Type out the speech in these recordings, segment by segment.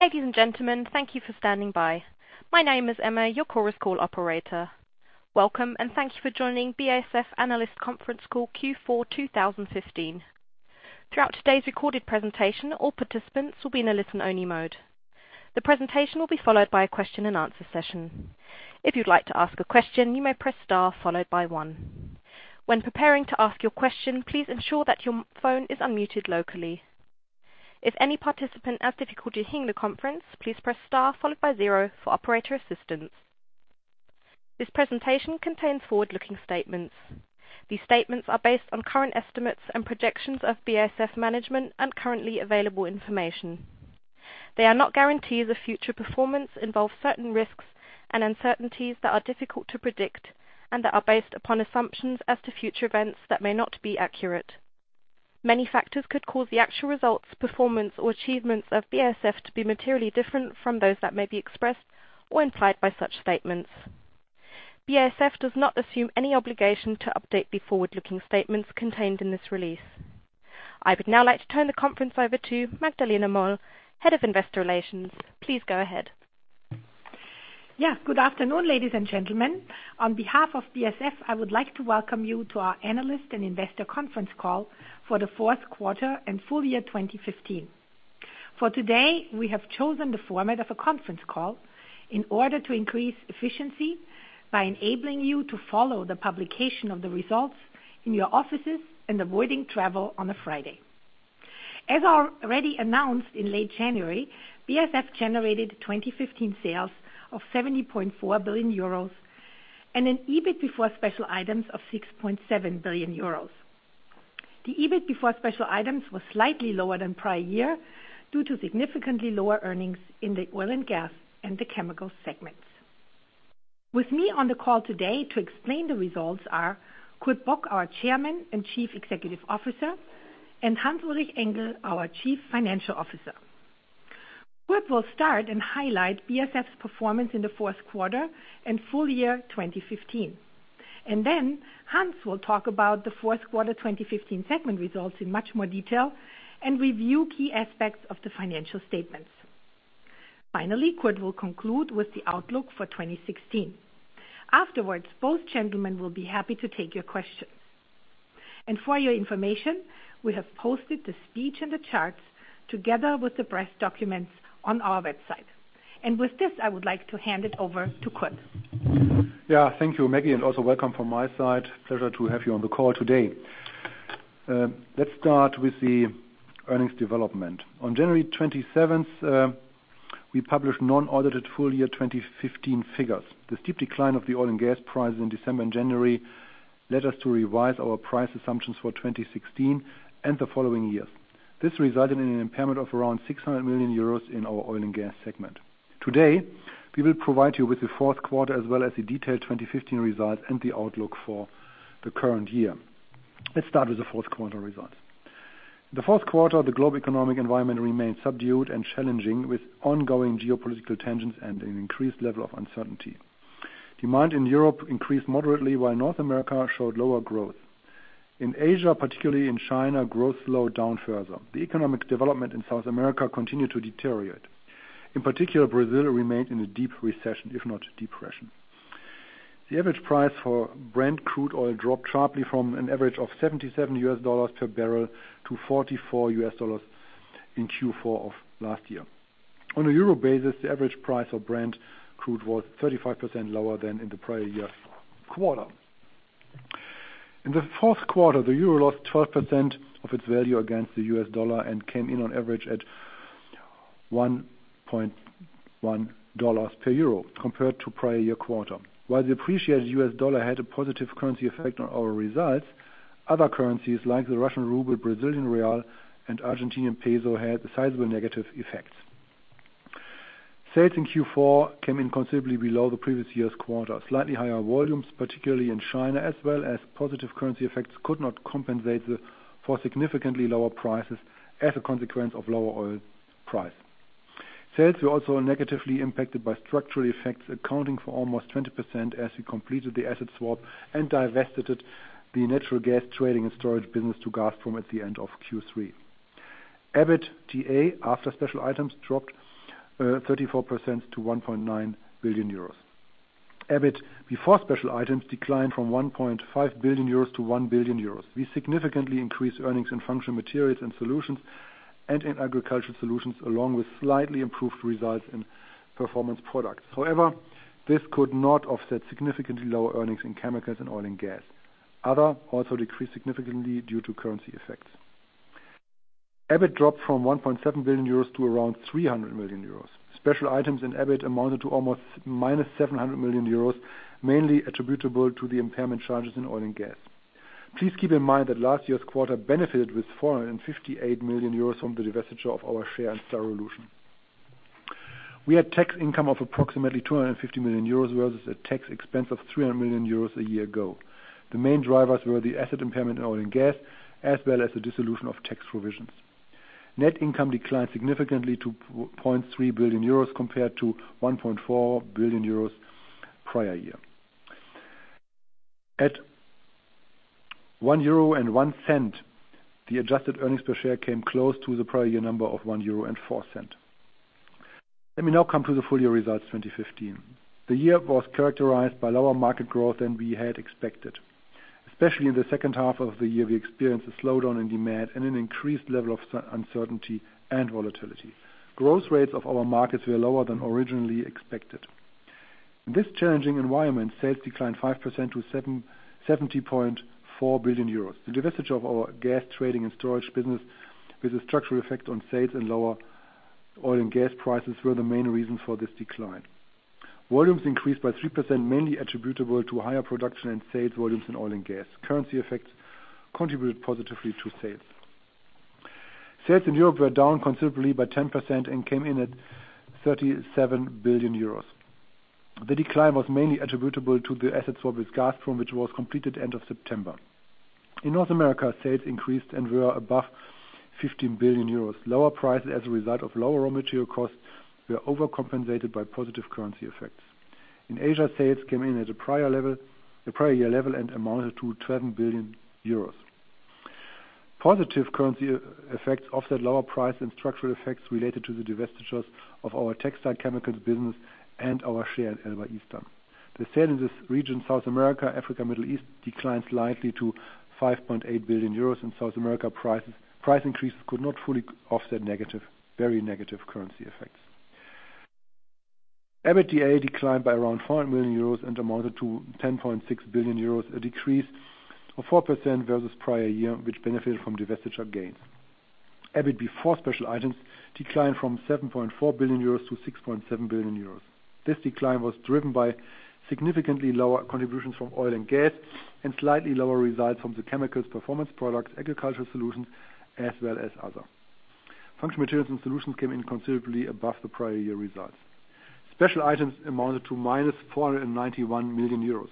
Ladies and gentlemen, thank you for standing by. My name is Emma, your Chorus Call operator. Welcome, and thank you for joining BASF Analyst Conference Call Q4 2015. Throughout today's recorded presentation, all participants will be in a listen-only mode. The presentation will be followed by a question-and-answer session. If you'd like to ask a question, you may press star followed by one. When preparing to ask your question, please ensure that your phone is unmuted locally. If any participant has difficulty hearing the conference, please press star followed by zero for operator assistance. This presentation contains forward-looking statements. These statements are based on current estimates and projections of BASF management and currently available information. They are not guarantees of future performance, involve certain risks and uncertainties that are difficult to predict, and are based upon assumptions as to future events that may not be accurate. Many factors could cause the actual results, performance, or achievements of BASF to be materially different from those that may be expressed or implied by such statements. BASF does not assume any obligation to update the forward-looking statements contained in this release. I would now like to turn the conference over to Magdalena Moll, Head of Investor Relations. Please go ahead. Yeah. Good afternoon, ladies and gentlemen. On behalf of BASF, I would like to welcome you to our Analyst and Investor Conference Call for the fourth quarter and full year 2015. For today, we have chosen the format of a conference call in order to increase efficiency by enabling you to follow the publication of the results in your offices and avoiding travel on a Friday. As already announced in late January, BASF generated 2015 sales of 70.4 billion euros and an EBIT before special items of 6.7 billion euros. The EBIT before special items was slightly lower than prior year due to significantly lower earnings in the oil and gas and the chemical segments. With me on the call today to explain the results are Kurt Bock, our Chairman and Chief Executive Officer, and Hans-Ulrich Engel, our Chief Financial Officer. Kurt will start and highlight BASF's performance in the fourth quarter and full year 2015. Then Hans will talk about the fourth quarter 2015 segment results in much more detail and review key aspects of the financial statements. Finally, Kurt will conclude with the outlook for 2016. Afterwards, both gentlemen will be happy to take your questions. For your information, we have posted the speech and the charts together with the press documents on our website. With this, I would like to hand it over to Kurt. Yeah. Thank you, Maggie, and also welcome from my side. Pleasure to have you on the call today. Let's start with the earnings development. On January 27th, we published unaudited full-year 2015 figures. The steep decline of the oil and gas price in December and January led us to revise our price assumptions for 2016 and the following years. This resulted in an impairment of around 600 million euros in our oil and gas segment. Today, we will provide you with the fourth quarter as well as the detailed 2015 results and the outlook for the current year. Let's start with the fourth quarter results. In the fourth quarter, the global economic environment remained subdued and challenging with ongoing geopolitical tensions and an increased level of uncertainty. Demand in Europe increased moderately while North America showed lower growth. In Asia, particularly in China, growth slowed down further. The economic development in South America continued to deteriorate. In particular, Brazil remained in a deep recession, if not depression. The average price for Brent crude oil dropped sharply from an average of $77 per barrel to $44 in Q4 of last year. On a euro basis, the average price of Brent crude was 35% lower than in the prior year quarter. In the fourth quarter, the euro lost 12% of its value against the U.S. dollar and came in on average at $1.1 per euro compared to prior year quarter. While the appreciated U.S. dollar had a positive currency effect on our results, other currencies like the Russian ruble, Brazilian real, and Argentinian peso had sizable negative effects. Sales in Q4 came in considerably below the previous year's quarter. Slightly higher volumes, particularly in China, as well as positive currency effects, could not compensate for significantly lower prices as a consequence of lower oil price. Sales were also negatively impacted by structural effects, accounting for almost 20% as we completed the asset swap and divested the natural gas trading and storage business to Gazprom at the end of Q3. EBITDA, after special items, dropped 34% to 1.9 billion euros. EBIT, before special items, declined from 1.5 billion-1 billion euros. We significantly increased earnings in Functional Materials and Solutions and in Agricultural Solutions, along with slightly improved results in Performance Products. However, this could not offset significantly lower earnings in Chemicals and Oil & Gas. Other also decreased significantly due to currency effects. EBIT dropped from 1.7 billion euros to around 300 million euros. Special items in EBIT amounted to almost -700 million euros, mainly attributable to the impairment charges in oil and gas. Please keep in mind that last year's quarter benefited with 458 million euros from the divestiture of our share in Styrolution. We had tax income of approximately 250 million euros versus a tax expense of 300 million euros a year ago. The main drivers were the asset impairment in oil and gas as well as the dissolution of tax provisions. Net income declined significantly to 0.3 billion euros compared to 1.4 billion euros prior year. At 1.01 euro, the adjusted earnings per share came close to the prior year number of 1.04 euro. Let me now come to the full year results 2015. The year was characterized by lower market growth than we had expected, especially in the second half of the year. We experienced a slowdown in demand and an increased level of uncertainty and volatility. Growth rates of our markets were lower than originally expected. In this challenging environment, sales declined 5% to 770.4 billion euros. The divestiture of our gas trading and storage business with a structural effect on sales and lower oil and gas prices were the main reason for this decline. Volumes increased by 3%, mainly attributable to higher production and sales volumes in oil and gas. Currency effects contributed positively to sales. Sales in Europe were down considerably by 10% and came in at 37 billion euros. The decline was mainly attributable to the sale to Gazprom, which was completed end of September. In North America, sales increased and were above 15 billion euros. Lower prices as a result of lower raw material costs were overcompensated by positive currency effects. In Asia, sales came in at a prior level, the prior year level and amounted to 12 billion euros. Positive currency effects offset lower price and structural effects related to the divestitures of our textile chemicals business and our share at ELLBA Eastern. The sales in this region, South America, Africa, Middle East, declined slightly to 5.8 billion euros. In South America, price increases could not fully offset very negative currency effects. EBITDA declined by around 400 million euros and amounted to 10.6 billion euros, a decrease of 4% versus prior year, which benefited from divestiture gains. EBIT before special items declined from 7.4 billion-6.7 billion euros. This decline was driven by significantly lower contributions from Oil and Gas and slightly lower results from Chemicals, Performance Products, Agricultural Solutions, as well as other. Functional Materials and Solutions came in considerably above the prior year results. Special items amounted to -491 million euros.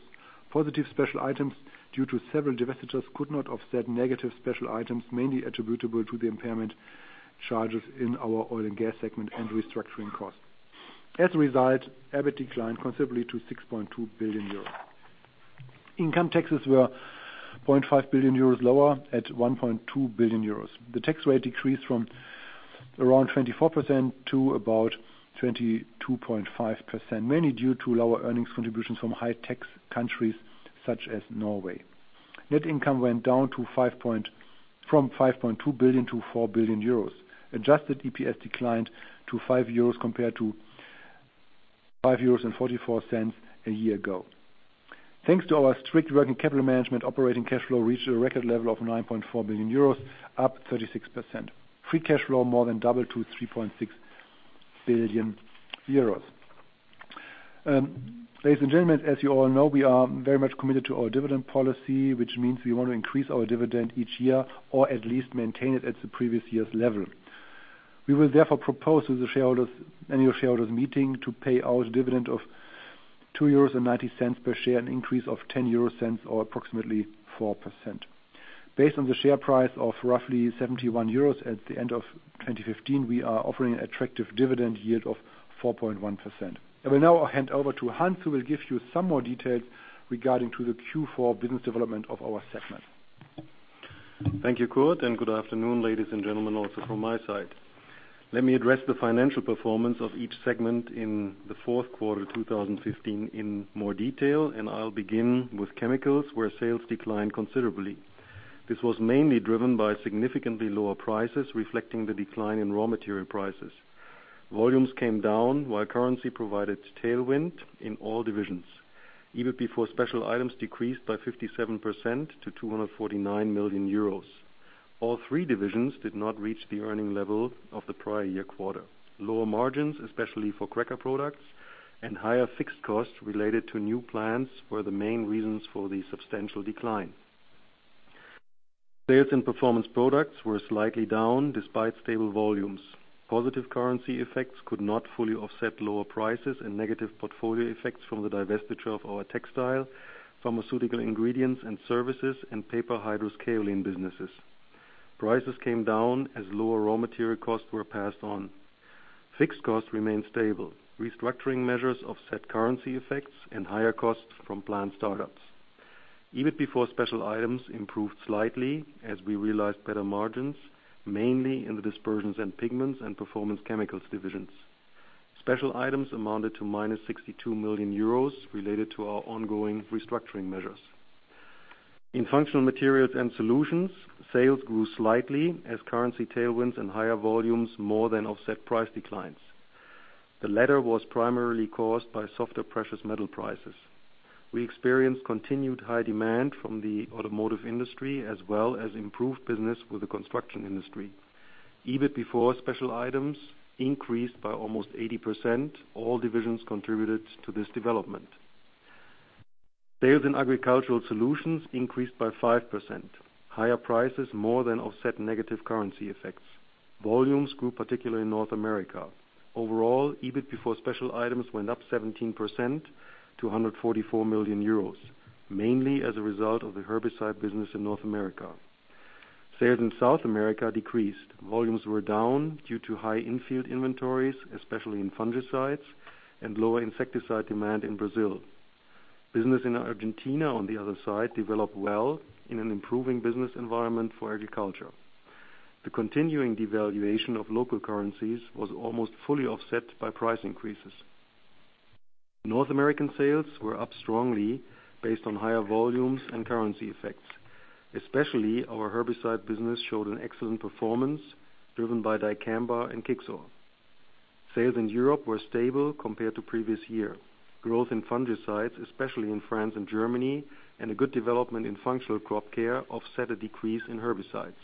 Positive special items due to several divestitures could not offset negative special items, mainly attributable to the impairment charges in our Oil and Gas segment and restructuring costs. As a result, EBIT declined considerably to 6.2 billion euros. Income taxes were 0.5 billion euros lower at 1.2 billion euros. The tax rate decreased from around 24% to about 22.5%, mainly due to lower earnings contributions from high tax countries such as Norway. Net income went down from 5.2 billion-4 billion euros. Adjusted EPS declined to 5 euros compared to 5.44 euros a year ago. Thanks to our strict working capital management, operating cash flow reached a record level of 9.4 billion euros, up 36%. Free cash flow more than doubled to 3.6 billion euros. Ladies and gentlemen, as you all know, we are very much committed to our dividend policy, which means we want to increase our dividend each year or at least maintain it at the previous year's level. We will therefore propose to the shareholders' annual shareholders meeting to pay out a dividend of 2.90 euros per share, an increase of 0.10 or approximately 4%. Based on the share price of roughly 71 euros at the end of 2015, we are offering an attractive dividend yield of 4.1%. I will now hand over to Hans, who will give you some more details regarding the Q4 business development of our segment. Thank you, Kurt, and good afternoon, ladies and gentlemen, also from my side. Let me address the financial performance of each segment in the fourth quarter 2015 in more detail, and I'll begin with Chemicals, where sales declined considerably. This was mainly driven by significantly lower prices, reflecting the decline in raw material prices. Volumes came down while currency provided tailwind in all divisions. EBIT before special items decreased by 57% to 249 million euros. All three divisions did not reach the earning level of the prior-year quarter. Lower margins, especially for cracker products and higher fixed costs related to new plants, were the main reasons for the substantial decline. Sales and performance products were slightly down despite stable volumes. Positive currency effects could not fully offset lower prices and negative portfolio effects from the divestiture of our textile, pharmaceutical ingredients and services, and paper hydrous kaolin businesses. Prices came down as lower raw material costs were passed on. Fixed costs remained stable. Restructuring measures offset currency effects and higher costs from plant startups. EBIT before special items improved slightly as we realized better margins, mainly in the dispersions and pigments and performance chemicals divisions. Special items amounted to -62 million euros related to our ongoing restructuring measures. In functional materials and solutions, sales grew slightly as currency tailwinds and higher volumes more than offset price declines. The latter was primarily caused by softer precious metal prices. We experienced continued high demand from the automotive industry, as well as improved business with the construction industry. EBIT before special items increased by almost 80%. All divisions contributed to this development. Sales in agricultural solutions increased by 5%. Higher prices more than offset negative currency effects. Volumes grew, particularly in North America. Overall, EBIT before special items went up 17% to 144 million euros, mainly as a result of the herbicide business in North America. Sales in South America decreased. Volumes were down due to high infield inventories, especially in fungicides and lower insecticide demand in Brazil. Business in Argentina, on the other side, developed well in an improving business environment for agriculture. The continuing devaluation of local currencies was almost fully offset by price increases. North American sales were up strongly based on higher volumes and currency effects. Especially our herbicide business showed an excellent performance driven by Dicamba and Kixor. Sales in Europe were stable compared to previous year. Growth in fungicides, especially in France and Germany, and a good development in Functional Crop Care offset a decrease in herbicides.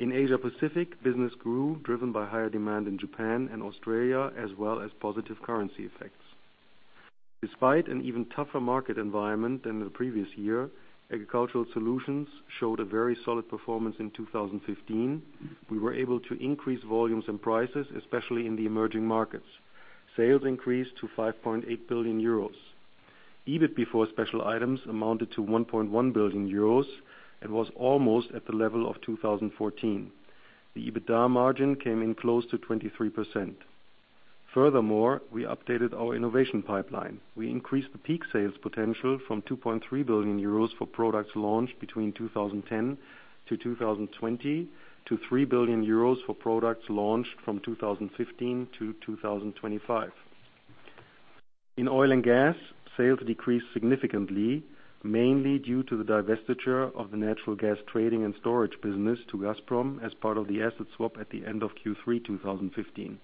In Asia Pacific, business grew, driven by higher demand in Japan and Australia, as well as positive currency effects. Despite an even tougher market environment than the previous year, Agricultural Solutions showed a very solid performance in 2015. We were able to increase volumes and prices, especially in the emerging markets. Sales increased to 5.8 billion euros. EBIT before special items amounted to 1.1 billion euros and was almost at the level of 2014. The EBITDA margin came in close to 23%. Furthermore, we updated our innovation pipeline. We increased the peak sales potential from 2.3 billion euros for products launched between 2010 and 2020, to 3 billion euros for products launched from 2015 to 2025. In oil and gas, sales decreased significantly, mainly due to the divestiture of the natural gas trading and storage business to Gazprom as part of the asset swap at the end of Q3 2015.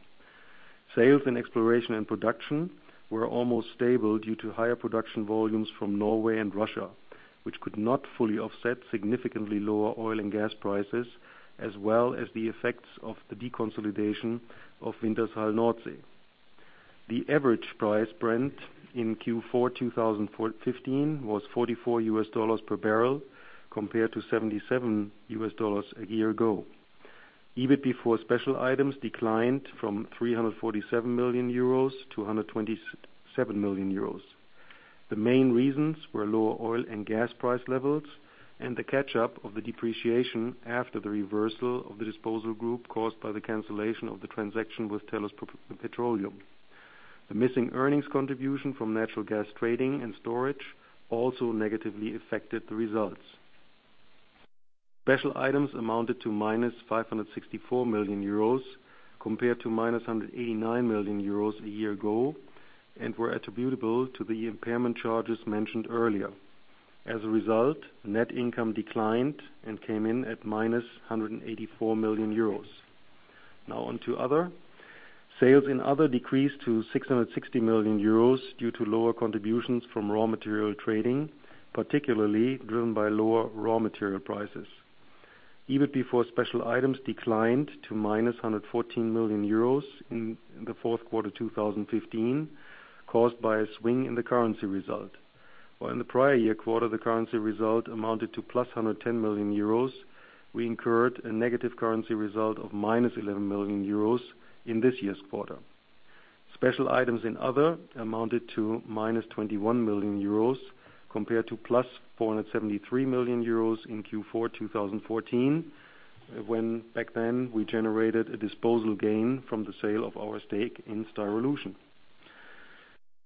Sales in exploration and production were almost stable due to higher production volumes from Norway and Russia, which could not fully offset significantly lower oil and gas prices, as well as the effects of the deconsolidation of Wintershall Noordzee. The average Brent price in Q4 2015 was $44 per barrel, compared to $77 a year ago. EBIT before special items declined from 347 million-127 million euros. The main reasons were lower oil and gas price levels and the catch-up of the depreciation after the reversal of the disposal group caused by the cancellation of the transaction with Tellus Petroleum. The missing earnings contribution from natural gas trading and storage also negatively affected the results. Special items amounted to -564 million euros compared to -189 million euros a year ago and were attributable to the impairment charges mentioned earlier. As a result, net income declined and came in at -184 million euros. Now on to Other. Sales in Other decreased to 660 million euros due to lower contributions from raw material trading, particularly driven by lower raw material prices. EBIT before special items declined to -114 million euros in the fourth quarter 2015, caused by a swing in the currency result. While in the prior year quarter, the currency result amounted to +110 million euros, we incurred a negative currency result of -11 million euros in this year's quarter. Special items in Other amounted to -21 million euros compared to +473 million euros in Q4 2014, when back then we generated a disposal gain from the sale of our stake in Styrolution.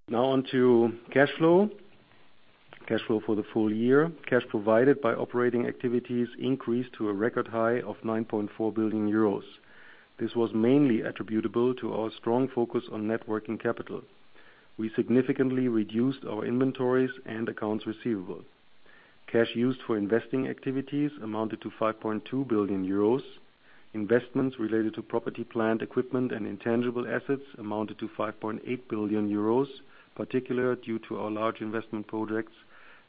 Now on to cash flow. Cash flow for the full year. Cash provided by operating activities increased to a record high of 9.4 billion euros. This was mainly attributable to our strong focus on net working capital. We significantly reduced our inventories and accounts receivable. Cash used for investing activities amounted to 5.2 billion euros. Investments related to property, plant equipment and intangible assets amounted to 5.8 billion euros, particularly due to our large investment projects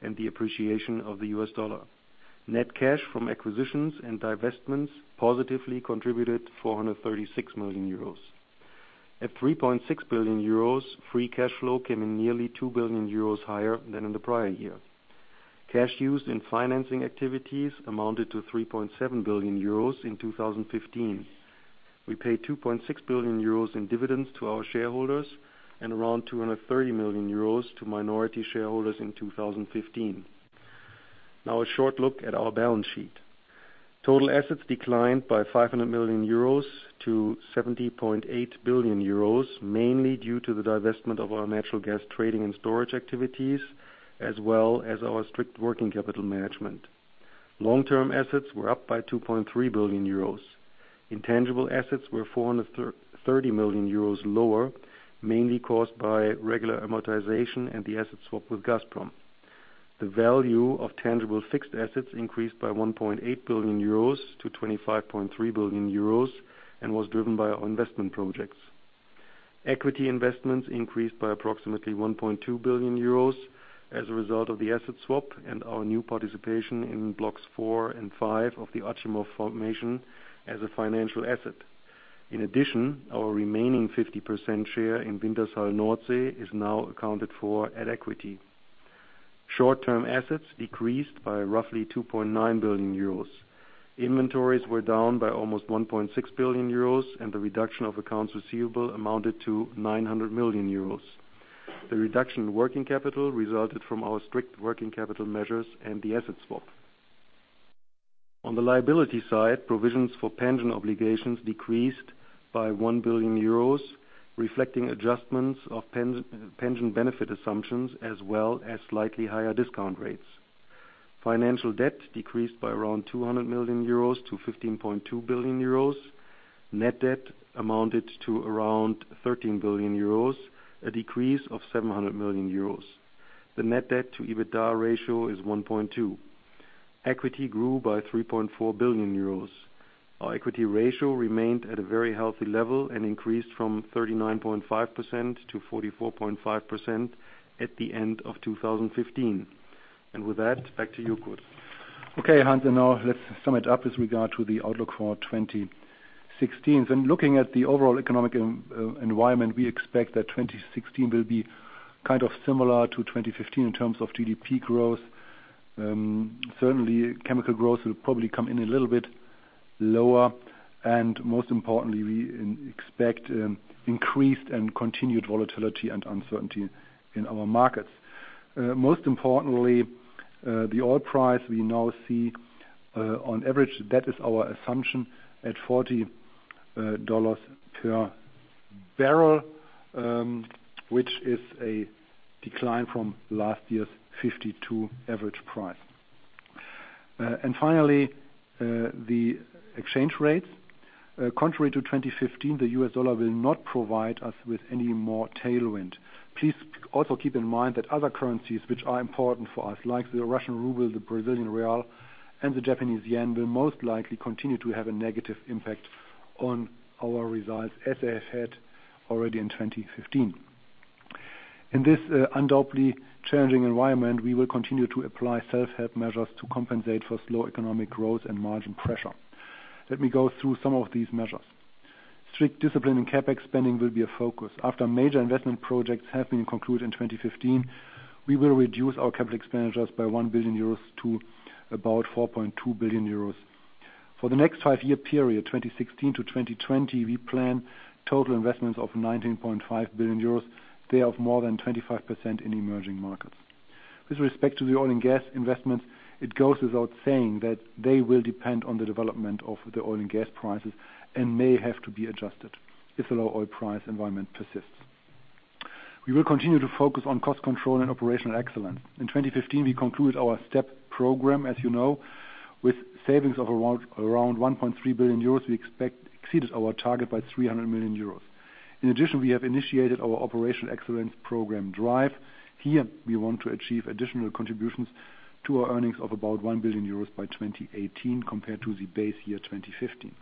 and the appreciation of the U.S. dollar. Net cash from acquisitions and divestments positively contributed 436 million euros. At 3.6 billion euros, free cash flow came in nearly 2 billion euros higher than in the prior year. Cash used in financing activities amounted to 3.7 billion euros in 2015. We paid 2.6 billion euros in dividends to our shareholders and around 230 million euros to minority shareholders in 2015. Now a short look at our balance sheet. Total assets declined by 500 million-70.8 billion euros, mainly due to the divestment of our natural gas trading and storage activities, as well as our strict working capital management. Long-term assets were up by 2.3 billion euros. Intangible assets were 430 million euros lower, mainly caused by regular amortization and the asset swap with Gazprom. The value of tangible fixed assets increased by 1.8 billion-25.3 billion euros and was driven by our investment projects. Equity investments increased by approximately 1.2 billion euros as a result of the asset swap and our new participation in blocks 4 and 5 of the Achimov formation as a financial asset. In addition, our remaining 50% share in Wintershall Noordzee is now accounted for at equity. Short-term assets decreased by roughly 2.9 billion euros. Inventories were down by almost 1.6 billion euros, and the reduction of accounts receivable amounted to 900 million euros. The reduction in working capital resulted from our strict working capital measures and the asset swap. On the liability side, provisions for pension obligations decreased by 1 billion euros, reflecting adjustments of pension benefit assumptions, as well as slightly higher discount rates. Financial debt decreased by around 200 million-15.2 billion euros. Net debt amounted to around 13 billion euros, a decrease of 700 million euros. The net debt to EBITDA ratio is 1.2. Equity grew by 3.4 billion euros. Our equity ratio remained at a very healthy level and increased from 39.5%-44.5% at the end of 2015. With that, back to you, Kurt. Okay, Hans, now let's sum it up with regard to the outlook for 2016. Looking at the overall economic environment, we expect that 2016 will be kind of similar to 2015 in terms of GDP growth. Certainly chemical growth will probably come in a little bit lower, and most importantly, we expect increased and continued volatility and uncertainty in our markets. Most importantly, the oil price we now see on average, that is our assumption at $40 per barrel, which is a decline from last year's $52 average price. Finally, the exchange rates. Contrary to 2015, the U.S. dollar will not provide us with any more tailwind. Please also keep in mind that other currencies which are important for us, like the Russian ruble, the Brazilian real, and the Japanese yen, will most likely continue to have a negative impact on our results as they have had already in 2015. In this undoubtedly challenging environment, we will continue to apply self-help measures to compensate for slow economic growth and margin pressure. Let me go through some of these measures. Strict discipline in CapEx spending will be a focus. After major investment projects have been concluded in 2015, we will reduce our capital expenditures by 1 billion euros to about 4.2 billion euros. For the next five-year period, 2016 to 2020, we plan total investments of 19.5 billion euros. They have more than 25% in emerging markets. With respect to the oil and gas investments, it goes without saying that they will depend on the development of the oil and gas prices and may have to be adjusted if the low oil price environment persists. We will continue to focus on cost control and operational excellence. In 2015, we concluded our STEP program, as you know, with savings of around 1.3 billion euros. We exceeded our target by 300 million euros. In addition, we have initiated our operational excellence program DrivE. Here, we want to achieve additional contributions to our earnings of about 1 billion euros by 2018 compared to the base year, 2015.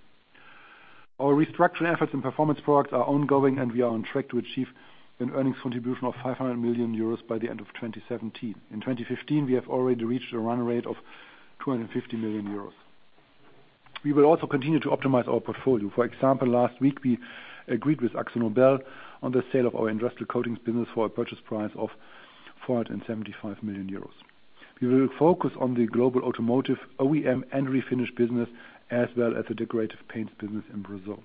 Our restructuring efforts and performance products are ongoing, and we are on track to achieve an earnings contribution of 500 million euros by the end of 2017. In 2015, we have already reached a run rate of 250 million euros. We will also continue to optimize our portfolio. For example, last week, we agreed with AkzoNobel on the sale of our industrial coatings business for a purchase price of 475 million euros. We will focus on the global automotive OEM and refinish business, as well as the decorative paints business in Brazil.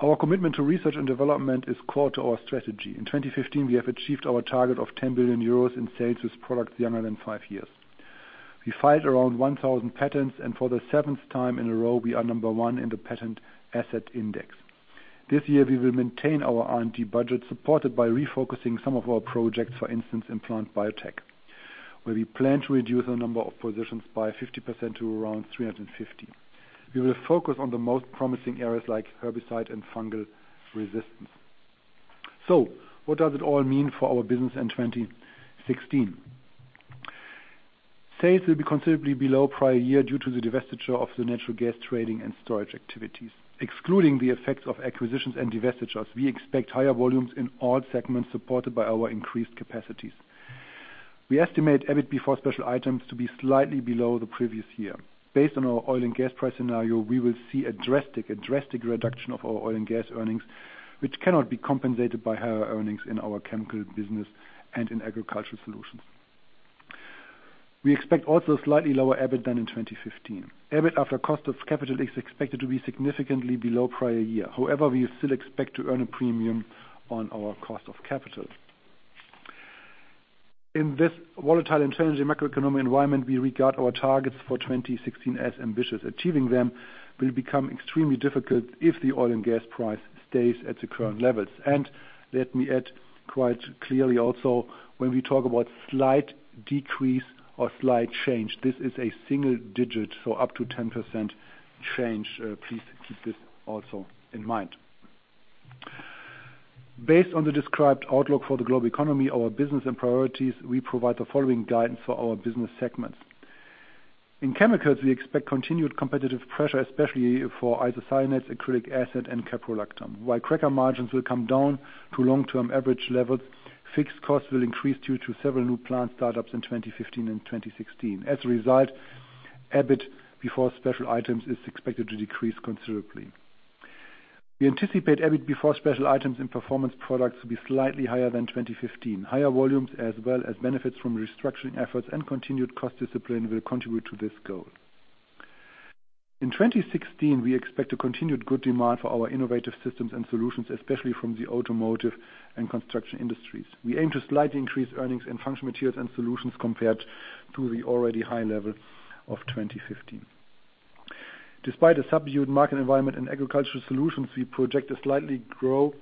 Our commitment to research and development is core to our strategy. In 2015, we have achieved our target of 10 billion euros in sales with products younger than five years. We filed around 1,000 patents, and for the seventh time in a row, we are number one in the Patent Asset Index. This year, we will maintain our R&D budget, supported by refocusing some of our projects, for instance, in plant biotech, where we plan to reduce the number of positions by 50% to around 350. We will focus on the most promising areas like herbicide and fungal resistance. What does it all mean for our business in 2016? Sales will be considerably below prior year due to the divestiture of the natural gas trading and storage activities. Excluding the effects of acquisitions and divestitures, we expect higher volumes in all segments supported by our increased capacities. We estimate EBIT before special items to be slightly below the previous year. Based on our oil and gas price scenario, we will see a drastic reduction of our oil and gas earnings, which cannot be compensated by higher earnings in our chemical business and in agricultural solutions. We expect also slightly lower EBIT than in 2015. EBIT after cost of capital is expected to be significantly below prior year. However, we still expect to earn a premium on our cost of capital. In this volatile and challenging macroeconomic environment, we regard our targets for 2016 as ambitious. Achieving them will become extremely difficult if the oil and gas price stays at the current levels. Let me add quite clearly also, when we talk about slight decrease or slight change, this is a single digit, so up to 10% change. Please keep this also in mind. Based on the described outlook for the global economy, our business and priorities, we provide the following guidance for our business segments. In Chemicals, we expect continued competitive pressure, especially for isocyanates, acrylic acid, and caprolactam. While cracker margins will come down to long-term average levels, fixed costs will increase due to several new plant startups in 2015 and 2016. As a result, EBIT before special items is expected to decrease considerably. We anticipate EBIT before special items in Performance Products to be slightly higher than 2015. Higher volumes as well as benefits from restructuring efforts and continued cost discipline will contribute to this goal. In 2016, we expect a continued good demand for our innovative systems and solutions, especially from the automotive and construction industries. We aim to slightly increase earnings in Functional Materials and Solutions compared to the already high levels of 2015. Despite a subdued market environment in agricultural solutions, we project to slightly grow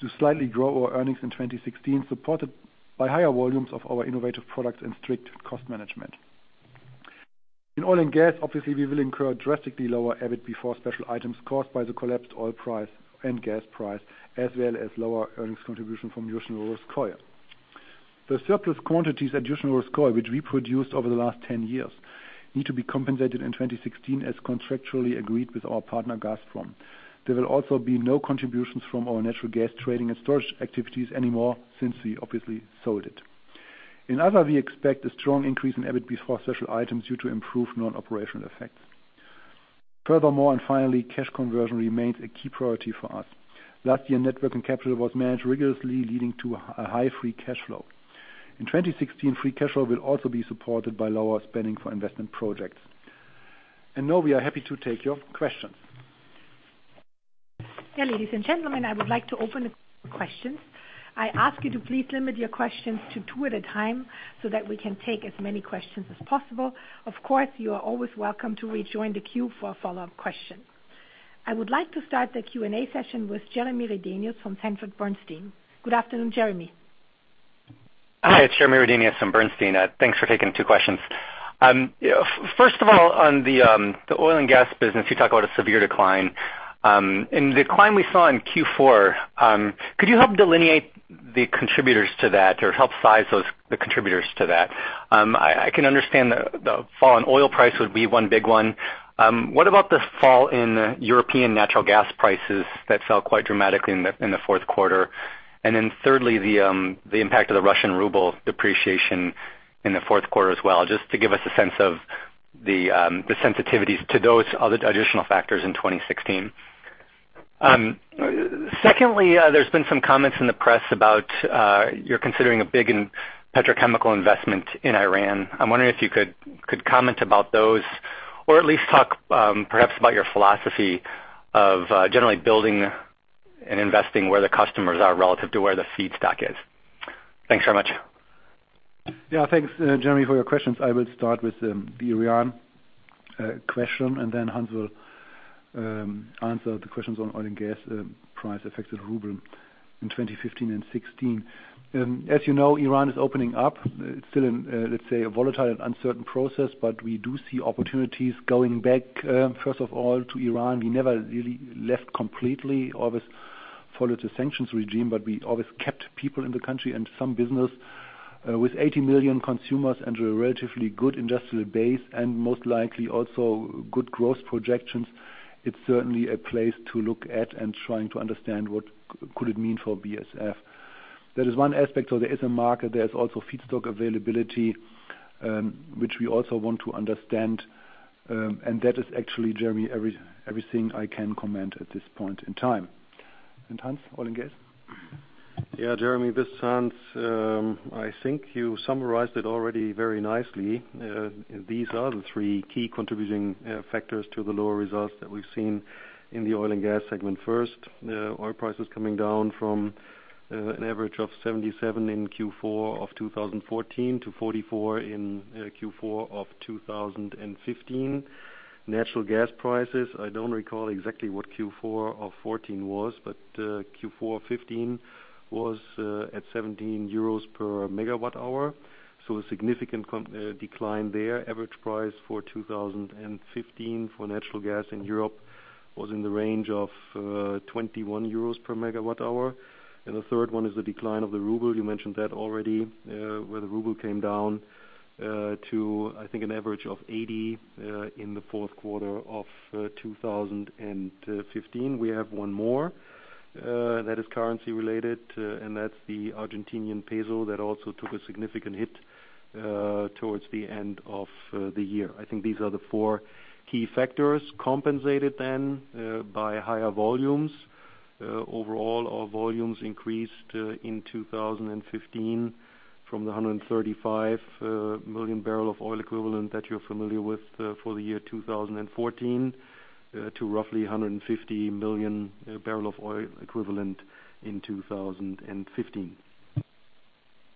our earnings in 2016, supported by higher volumes of our innovative products and strict cost management. In oil and gas, obviously we will incur drastically lower EBIT before special items caused by the collapsed oil price and gas price, as well as lower earnings contribution from Ust-Luga. The surplus quantities at Ust-Luga, which we produced over the last 10 years, need to be compensated in 2016 as contractually agreed with our partner, Gazprom. There will also be no contributions from our natural gas trading and storage activities anymore since we obviously sold it. In other, we expect a strong increase in EBIT before special items due to improved non-operational effects. Furthermore, and finally, cash conversion remains a key priority for us. Last year, net working capital was managed rigorously, leading to a high free cash flow. In 2016, free cash flow will also be supported by lower spending for investment projects. Now we are happy to take your questions. Yeah, ladies and gentlemen, I would like to open questions. I ask you to please limit your questions to two at a time so that we can take as many questions as possible. Of course, you are always welcome to rejoin the queue for a follow-up question. I would like to start the Q&A session with Jeremy Redenius from Sanford C. Bernstein. Good afternoon, Jeremy. Hi, it's Jeremy Redenius from Bernstein. Thanks for taking 2 questions. First of all, on the oil and gas business, you talk about a severe decline. In the decline we saw in Q4, could you help delineate the contributors to that or help size those, the contributors to that? I can understand the fall in oil price would be one big one. What about the fall in European natural gas prices that fell quite dramatically in the fourth quarter? Thirdly, the impact of the Russian ruble depreciation in the fourth quarter as well, just to give us a sense of the sensitivities to those other additional factors in 2016. Secondly, there's been some comments in the press about you're considering a big petrochemical investment in Iran. I'm wondering if you could comment about those or at least talk, perhaps about your philosophy of generally building and investing where the customers are relative to where the feedstock is. Thanks so much. Yeah, thanks, Jeremy, for your questions. I will start with the Iran question, and then Hans will answer the questions on oil and gas price effects of ruble in 2015 and 2016. As you know, Iran is opening up. It's still in, let's say, a volatile and uncertain process, but we do see opportunities going back, first of all, to Iran. We never really left completely, always followed the sanctions regime, but we always kept people in the country and some business. With 80 million consumers and a relatively good industrial base and most likely also good growth projections, it's certainly a place to look at and trying to understand what could it mean for BASF. That is one aspect. There is a market, there's also feedstock availability, which we also want to understand, and that is actually everything I can comment at this point in time, Jeremy. Hans, oil and gas? Yeah, Jeremy, this is Hans. I think you summarized it already very nicely. These are the three key contributing factors to the lower results that we've seen in the oil and gas segment. First, oil prices coming down from an average of $77 in Q4 of 2014 to $44 in Q4 of 2015. Natural gas prices, I don't recall exactly what Q4 of 2014 was, but Q4 of 2015 was at 17 euros per MWh. So a significant decline there. Average price for 2015 for natural gas in Europe was in the range of 21 euros per MWh. The third one is the decline of the ruble. You mentioned that already, where the ruble came down to, I think, an average of 80 in the fourth quarter of 2015. We have one more that is currency related, and that's the Argentinian peso that also took a significant hit towards the end of the year. I think these are the four key factors compensated then by higher volumes. Overall, our volumes increased in 2015 from the 135 million barrels of oil equivalent that you're familiar with for the year 2014 to roughly a 150 million barrels of oil equivalent in 2015.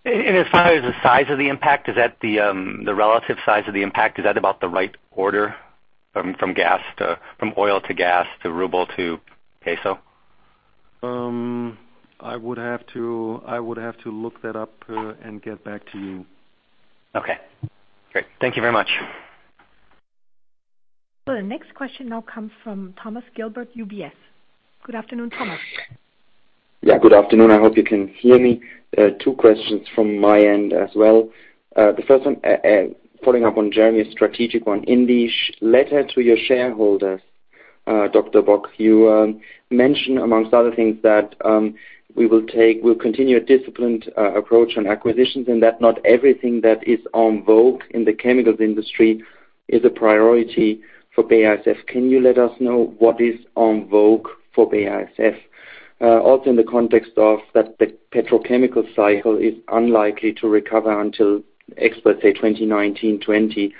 As far as the size of the impact, is that the relative size of the impact, is that about the right order from oil to gas to ruble to peso? I would have to look that up, and get back to you. Okay, great. Thank you very much. The next question now comes from Thomas Gilbert, UBS. Good afternoon, Thomas. Yeah, good afternoon. I hope you can hear me. Two questions from my end as well. The first one, following up on Jeremy's strategic one. In the letter to your shareholders, Dr. Bock, you mentioned among other things that we'll continue a disciplined approach on acquisitions and that not everything that is en vogue in the chemicals industry is a priority for BASF. Can you let us know what is en vogue for BASF? Also in the context of that the petrochemical cycle is unlikely to recover until experts say 2019, 2020.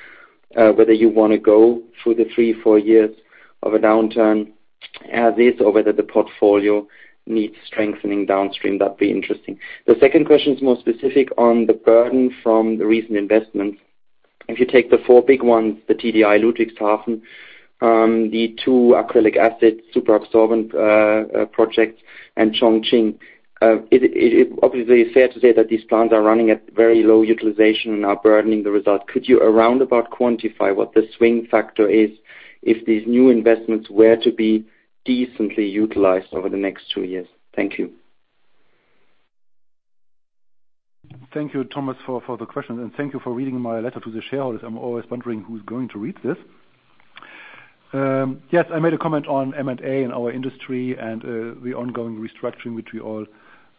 Whether you wanna go through the three, four years of a downturn as is, or whether the portfolio needs strengthening downstream, that'd be interesting. The second question is more specific on the burden from the recent investments. If you take the four big ones, the TDI Ludwigshafen, the two acrylic acid Superabsorbent Polymers project and Chongqing. It is obviously fair to say that these plants are running at very low utilization and are burdening the results. Could you around about quantify what the swing factor is if these new investments were to be decently utilized over the next two years? Thank you. Thank you, Thomas, for the question, and thank you for reading my letter to the shareholders. I'm always wondering who's going to read this. Yes, I made a comment on M&A in our industry and the ongoing restructuring which we all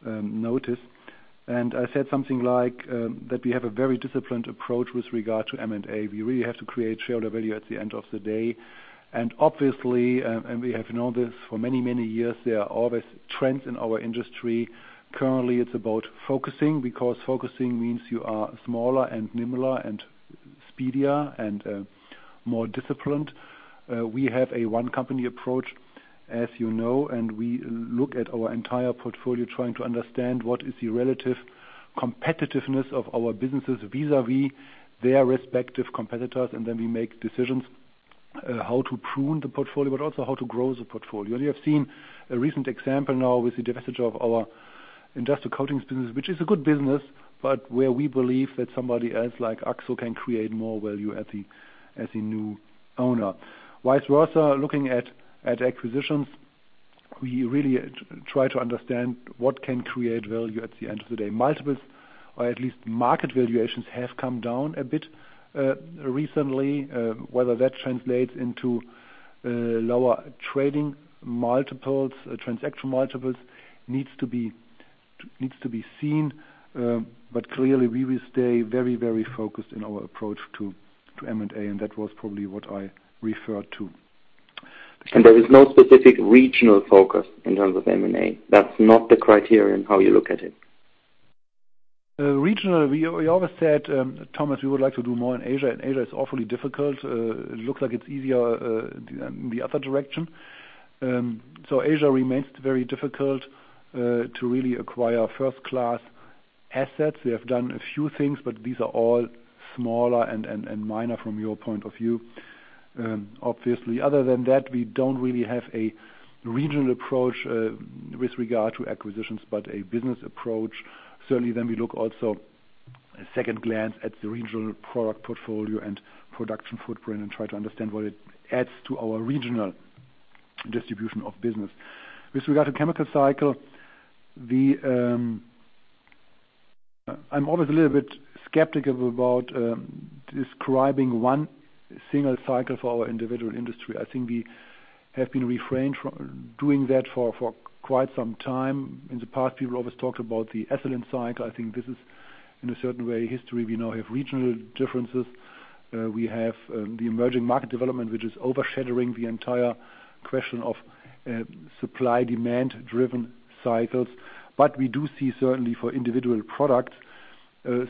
notice. I said something like that we have a very disciplined approach with regard to M&A. We really have to create shareholder value at the end of the day. Obviously, and we have known this for many, many years, there are always trends in our industry. Currently, it's about focusing, because focusing means you are smaller and nimbler and speedier and more disciplined. We have a one company approach, as you know, and we look at our entire portfolio trying to understand what is the relative competitiveness of our businesses vis-à-vis their respective competitors, and then we make decisions how to prune the portfolio, but also how to grow the portfolio. You have seen a recent example now with the divestiture of our industrial coatings business, which is a good business, but where we believe that somebody else like AkzoNobel can create more value as the new owner. Vice versa, looking at acquisitions, we really try to understand what can create value at the end of the day. Multiples or at least market valuations have come down a bit recently. Whether that translates into lower trading multiples, transaction multiples needs to be seen. Clearly we will stay very, very focused in our approach to M&A, and that was probably what I referred to. There is no specific regional focus in terms of M&A. That's not the criterion how you look at it. Regarding regional, we always said, Thomas, we would like to do more in Asia, and Asia is awfully difficult. It looks like it's easier in the other direction. Asia remains very difficult to really acquire first-class assets. We have done a few things, but these are all smaller and minor from your point of view. Obviously, other than that, we don't really have a regional approach with regard to acquisitions, but a business approach. Certainly, then we also take a second glance at the regional product portfolio and production footprint and try to understand what it adds to our regional distribution of business. I'm always a little bit skeptical about describing one single cycle for our individual industry. I think we have been refrained from doing that for quite some time. In the past, we always talked about the ethylene cycle. I think this is in a certain way history. We now have regional differences. We have the emerging market development, which is overshadowing the entire question of supply-demand-driven cycles. We do see certainly for individual products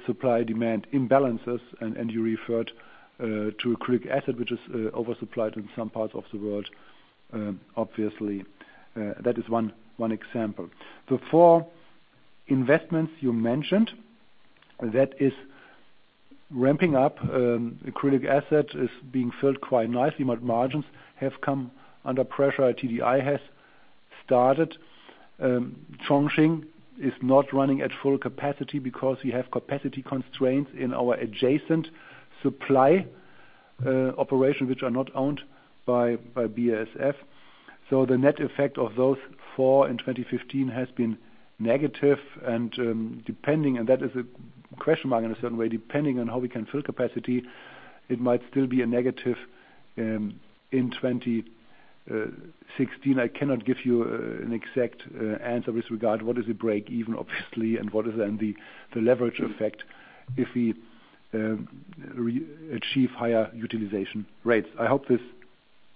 supply-demand imbalances, and you referred to Acrylic acid, which is oversupplied in some parts of the world. Obviously, that is one example. The four investments you mentioned, that is ramping up, Acrylic acid is being filled quite nicely. Margins have come under pressure. TDI has started. Chongqing is not running at full capacity because we have capacity constraints in our adjacent supply operations which are not owned by BASF. The net effect of those four in 2015 has been negative and, depending, and that is a question mark in a certain way, depending on how we can fill capacity, it might still be a negative in 2016. I cannot give you an exact answer with regard to what is the break-even obviously, and what is then the leverage effect if we achieve higher utilization rates. I hope this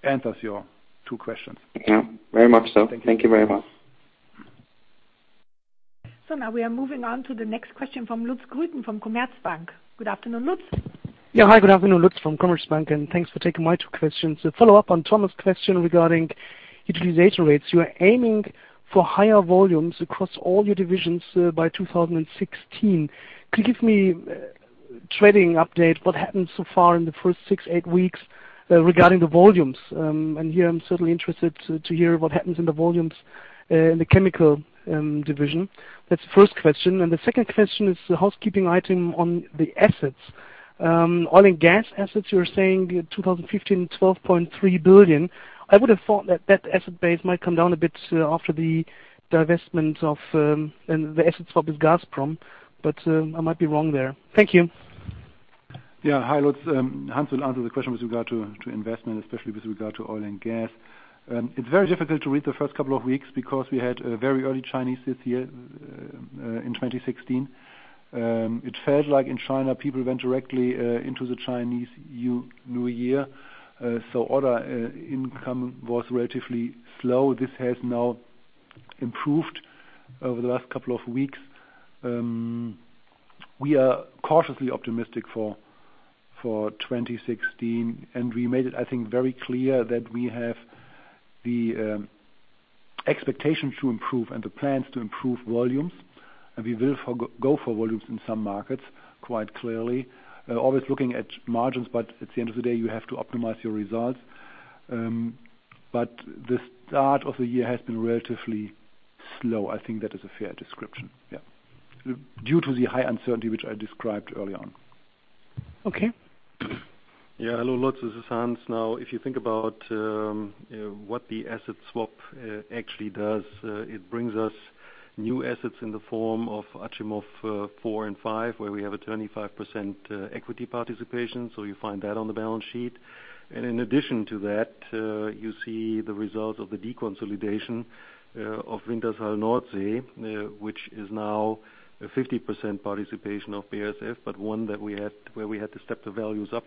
answers your two questions. Yeah. Very much so. Thank you. Thank you very much. Now we are moving on to the next question from Lutz Grüten from Commerzbank. Good afternoon, Lutz. Yeah. Hi, good afternoon, Lutz from Commerzbank, and thanks for taking my two questions. A follow-up on Thomas' question regarding utilization rates. You are aiming for higher volumes across all your divisions by 2016. Could you give me a trading update, what happened so far in the first 6-8 weeks regarding the volumes? Here I'm certainly interested to hear what happens in the volumes in the chemical division. That's the first question. The second question is the housekeeping item on the assets. Oil and gas assets, you're saying 2015, 12.3 billion. I would have thought that asset base might come down a bit after the divestment of and the asset swap with Gazprom, but I might be wrong there. Thank you. Yeah. Hi, Lutz. Hans will answer the question with regard to investment, especially with regard to oil and gas. It's very difficult to read the first couple of weeks because we had a very early Chinese New Year this year in 2016. It felt like in China people went directly into the Chinese New Year, so order intake was relatively slow. This has now improved over the last couple of weeks. We are cautiously optimistic for 2016, and we made it, I think, very clear that we have the expectation to improve and the plans to improve volumes. We will go for volumes in some markets quite clearly. Always looking at margins, but at the end of the day, you have to optimize your results. The start of the year has been relatively slow. I think that is a fair description, yeah. Due to the high uncertainty which I described early on. Okay. Yeah. Hello, Lutz. This is Hans now. If you think about what the asset swap actually does, it brings us new assets in the form of Achimov four and five, where we have a 25% equity participation. You find that on the balance sheet. In addition to that, you see the results of the deconsolidation of Wintershall Noordzee, which is now a 50% participation of BASF, but one where we had to step the values up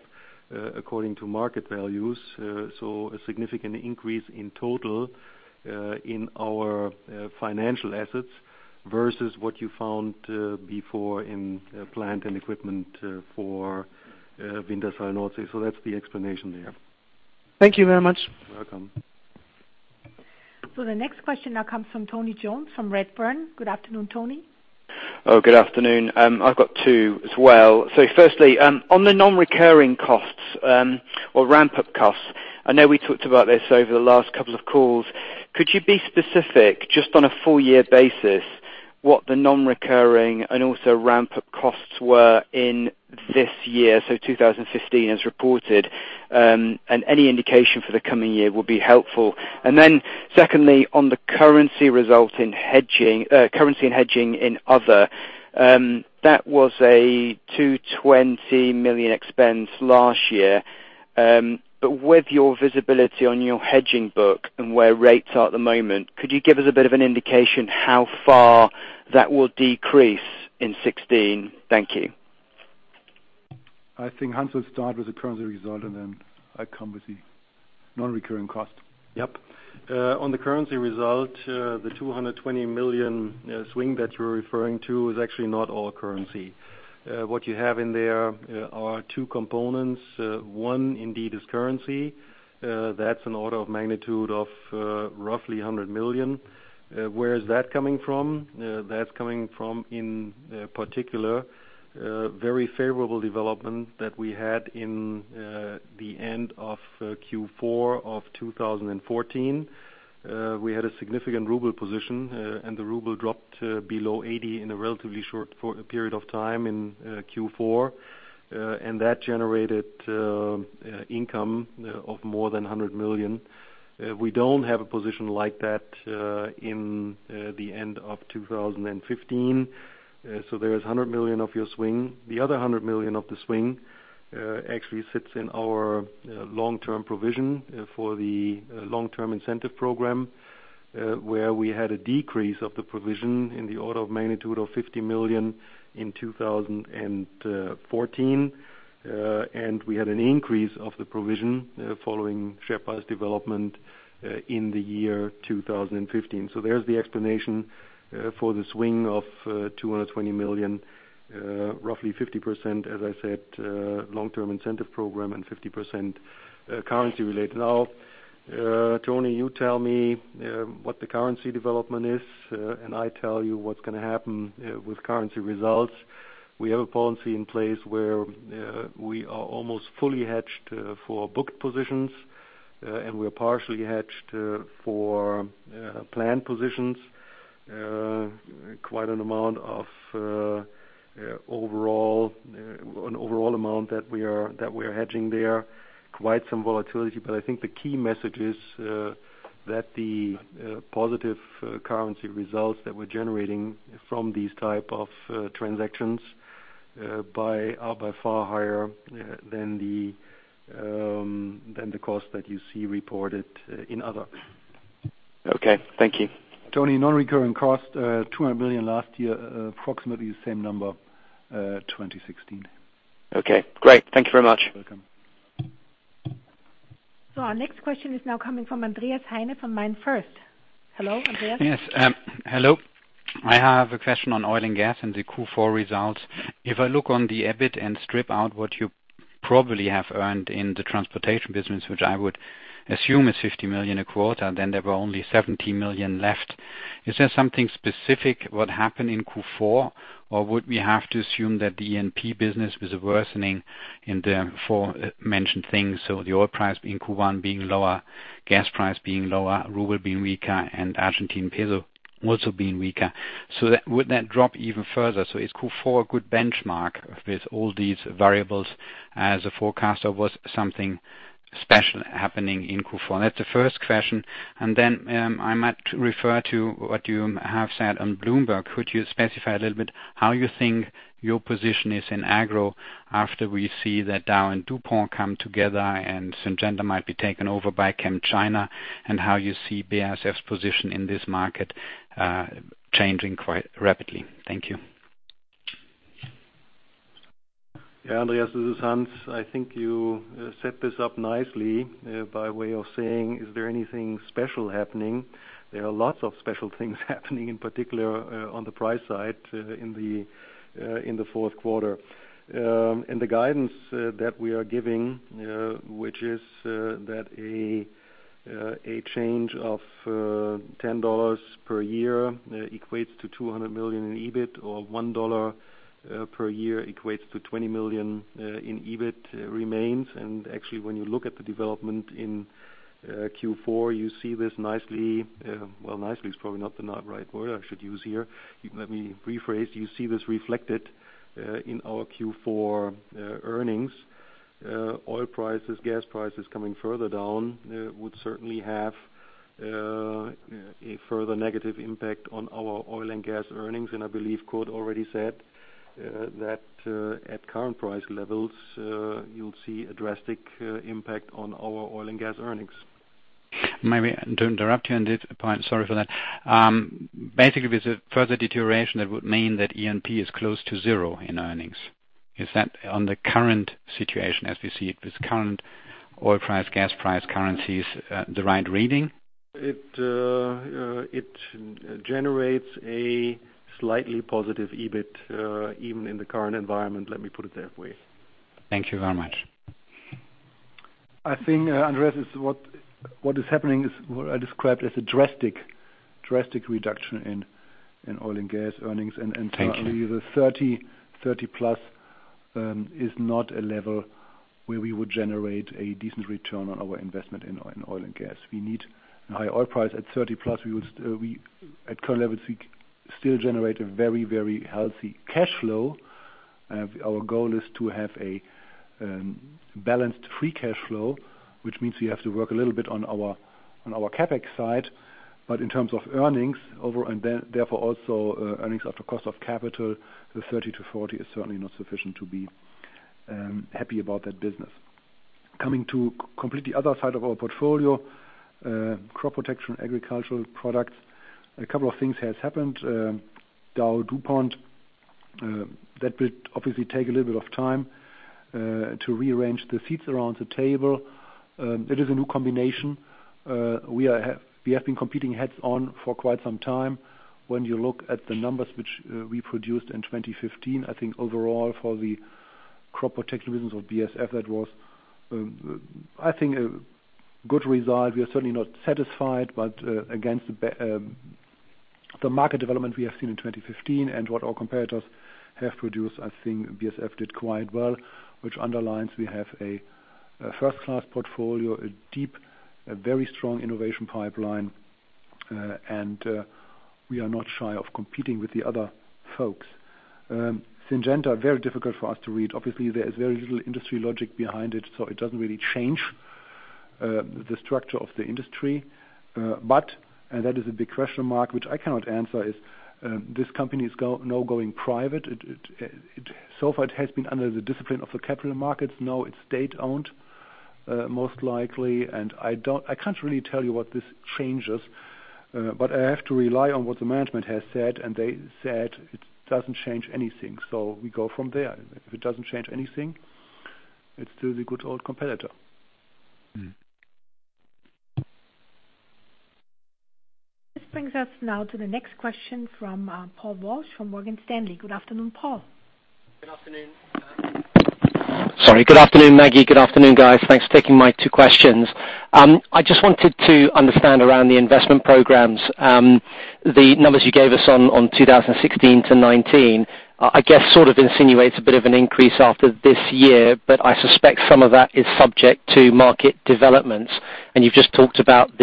according to market values. A significant increase in total in our financial assets versus what you found before in plant and equipment for Wintershall Noordzee. That's the explanation there. Thank you very much. Welcome. The next question now comes from Tony Jones from Redburn. Good afternoon, Tony. Good afternoon. I've got two as well. Firstly, on the non-recurring costs, or ramp-up costs, I know we talked about this over the last couple of calls. Could you be specific just on a full year basis, what the non-recurring and also ramp-up costs were in this year, so 2015 as reported, and any indication for the coming year will be helpful. Secondly, on the currency result in hedging, currency and hedging in other, that was a 220 million expense last year. With your visibility on your hedging book and where rates are at the moment, could you give us a bit of an indication how far that will decrease in 2016? Thank you. I think Hans will start with the currency result, and then I come with the non-recurring cost. On the currency result, the 220 million swing that you're referring to is actually not all currency. What you have in there are two components. One indeed is currency. That's an order of magnitude of roughly 100 million. Where is that coming from? That's coming from, in particular, a very favorable development that we had in the end of Q4 of 2014. We had a significant ruble position, and the ruble dropped below 80 in a relatively short period of time in Q4. And that generated income of more than 100 million. We don't have a position like that in the end of 2015. So there's 100 million of your swing. The other 100 million of the swing actually sits in our long-term provision for the long-term incentive program, where we had a decrease of the provision in the order of magnitude of 50 million in 2014. We had an increase of the provision following share price development in the year 2015. There's the explanation for the swing of 220 million, roughly 50%, as I said, long-term incentive program and 50% currency related. Now, Tony, you tell me what the currency development is, and I tell you what's gonna happen with currency results. We have a policy in place where we are almost fully hedged for booked positions, and we're partially hedged for planned positions. Quite an amount of an overall amount that we are hedging there. Quite some volatility, but I think the key message is that the positive currency results that we're generating from these type of transactions are by far higher than the cost that you see reported in other. Okay. Thank you. Tony, non-recurring cost, 200 million last year, approximately the same number, 2016. Okay, great. Thank you very much. Welcome. Our next question is now coming from Andreas Heine from MainFirst. Hello, Andreas. Yes. Hello. I have a question on oil and gas and the Q4 results. If I look on the EBIT and strip out what you probably have earned in the transportation business, which I would assume is 50 million a quarter, then there were only 70 million left. Is there something specific what happened in Q4, or would we have to assume that the NP business was worsening in the aforementioned things? The oil price in Q1 being lower, gas price being lower, ruble being weaker, and Argentine peso also being weaker. Would that drop even further? Is Q4 a good benchmark with all these variables as a forecast, or was something special happening in Q4? That's the first question. I might refer to what you have said on Bloomberg. Could you specify a little bit how you think your position is in agro after we see that Dow and DuPont come together and Syngenta might be taken over by ChemChina, and how you see BASF's position in this market, changing quite rapidly? Thank you. Yeah, Andreas, this is Hans. I think you set this up nicely by way of saying, is there anything special happening? There are lots of special things happening, in particular, on the price side, in the fourth quarter. The guidance that we are giving, which is that a change of $10 per year equates to 200 million in EBIT or $1 per year equates to 20 million in EBIT remains. Actually, when you look at the development in Q4, you see this nicely. Well, nicely is probably not the right word I should use here. Let me rephrase. You see this reflected in our Q4 earnings. Oil prices, gas prices coming further down would certainly have a further negative impact on our oil and gas earnings. I believe Kurt already said that at current price levels you'll see a drastic impact on our oil and gas earnings. Maybe to interrupt you on this point, sorry for that. Basically, with a further deterioration, that would mean that E&P is close to zero in earnings. Is that on the current situation as we see it, with current oil price, gas price currencies, the right reading? It generates a slightly positive EBIT even in the current environment, let me put it that way. Thank you very much. I think, Andreas, what is happening is what I described as a drastic reduction in oil and gas earnings. Thank you. The $30, $30+, is not a level where we would generate a decent return on our investment in oil and gas. We need a high oil price. At $30+ we at current levels still generate a very, very healthy cash flow. Our goal is to have a balanced free cash flow, which means we have to work a little bit on our, on our CapEx side. But in terms of earnings over and then therefore also earnings after cost of capital, the $30-40 is certainly not sufficient to be happy about that business. Coming to completely other side of our portfolio, crop protection, agricultural products, a couple of things has happened. DowDuPont, that will obviously take a little bit of time to rearrange the seats around the table. It is a new combination. We have been competing head on for quite some time. When you look at the numbers which we produced in 2015, I think overall for the crop protection business of BASF, that was, I think a good result. We are certainly not satisfied, but against the market development we have seen in 2015 and what our competitors have produced, I think BASF did quite well, which underlines we have a first-class portfolio, a deep, very strong innovation pipeline, and we are not shy of competing with the other folks. Syngenta, very difficult for us to read. Obviously, there is very little industry logic behind it, so it doesn't really change the structure of the industry. That is a big question mark which I cannot answer, this company is now going private. So far, it has been under the discipline of the capital markets. Now it's state-owned, most likely, and I can't really tell you what this changes, but I have to rely on what the management has said, and they said it doesn't change anything. We go from there. If it doesn't change anything, it's still the good old competitor. This brings us now to the next question from Paul Walsh from Morgan Stanley. Good afternoon, Paul. Good afternoon. Sorry, good afternoon, Maggie. Good afternoon, guys. Thanks for taking my 2 questions. I just wanted to understand around the investment programs, the numbers you gave us on 2016 to 2019. I guess sort of insinuates a bit of an increase after this year, but I suspect some of that is subject to market developments. You've just talked about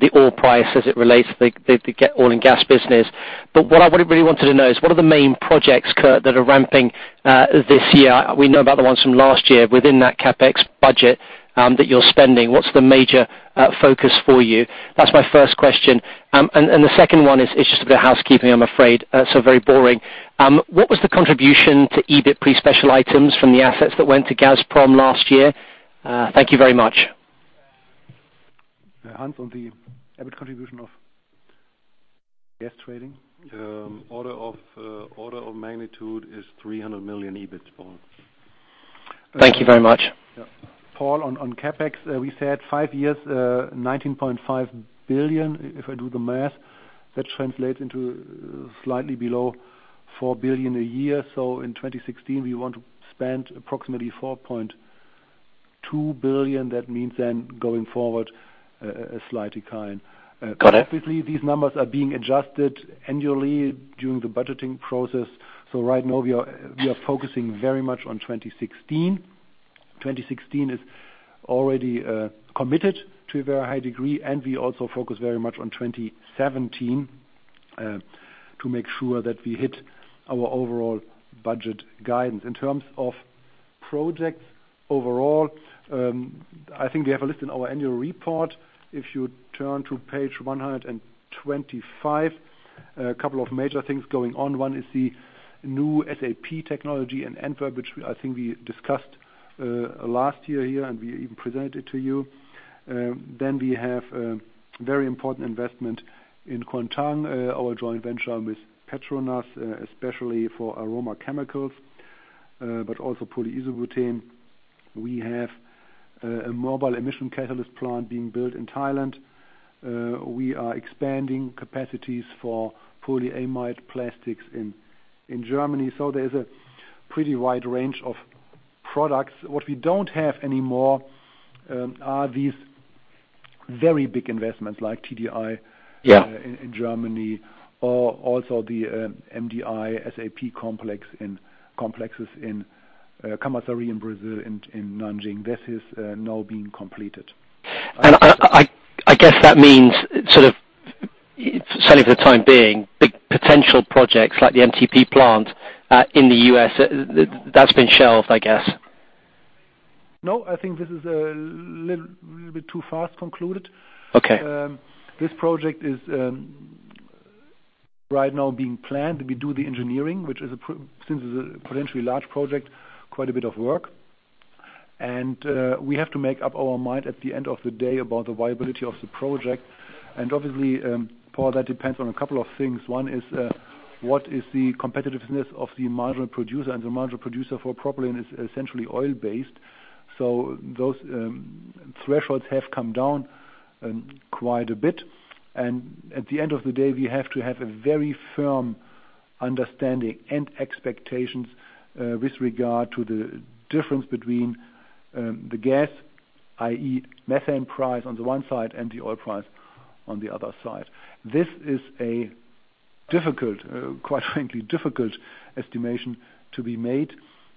the oil price as it relates to the oil and gas business. But what I would've really wanted to know is what are the main projects, Kurt, that are ramping this year? We know about the ones from last year within that CapEx budget that you're spending. What's the major focus for you? That's my first question. The second one is just a bit of housekeeping, I'm afraid, so very boring. What was the contribution to EBIT pre special items from the assets that went to Gazprom last year? Thank you very much. Hans, on the EBIT contribution of gas trading. Order of magnitude is 300 million EBIT, Paul. Thank you very much. Yeah. Paul, on CapEx, we said 5 years, 19.5 billion. If I do the math, that translates into slightly below 4 billion a year. In 2016, we want to spend approximately 4.2 billion. That means going forward, a slight decline. Got it. Obviously, these numbers are being adjusted annually during the budgeting process. Right now we are focusing very much on 2016. 2016 is already committed to a very high degree, and we also focus very much on 2017 to make sure that we hit our overall budget guidance. In terms of projects overall, I think we have a list in our annual report. If you turn to page 125, a couple of major things going on. One is the new SAP technology in Antwerp, which we, I think we discussed last year here, and we even presented it to you. Then we have very important investment in Kuantan, our joint venture with Petronas, especially for aroma chemicals, but also polyisobutene. We have a mobile emissions catalysts plant being built in Thailand. We are expanding capacities for polyamide plastics in Germany. There's a pretty wide range of products. What we don't have anymore are these very big investments like TDI. Yeah. in Germany or also the MDI SAP complexes in Camaçari in Brazil, in Nanjing. This is now being completed. I guess that means sort of, say for the time being, big potential projects like the MTP plant in the U.S., that's been shelved, I guess. No, I think this is a little bit too fast concluded. Okay. This project is right now being planned. We do the engineering, since it's a potentially large project, quite a bit of work. We have to make up our mind at the end of the day about the viability of the project. Obviously, Paul, that depends on a couple of things. One is what is the competitiveness of the marginal producer? The marginal producer for propylene is essentially oil-based. Those thresholds have come down quite a bit. At the end of the day, we have to have a very firm understanding and expectations with regard to the difference between the gas, i.e., methane price on the one side and the oil price on the other side. This is a difficult, quite frankly, difficult estimation to be made.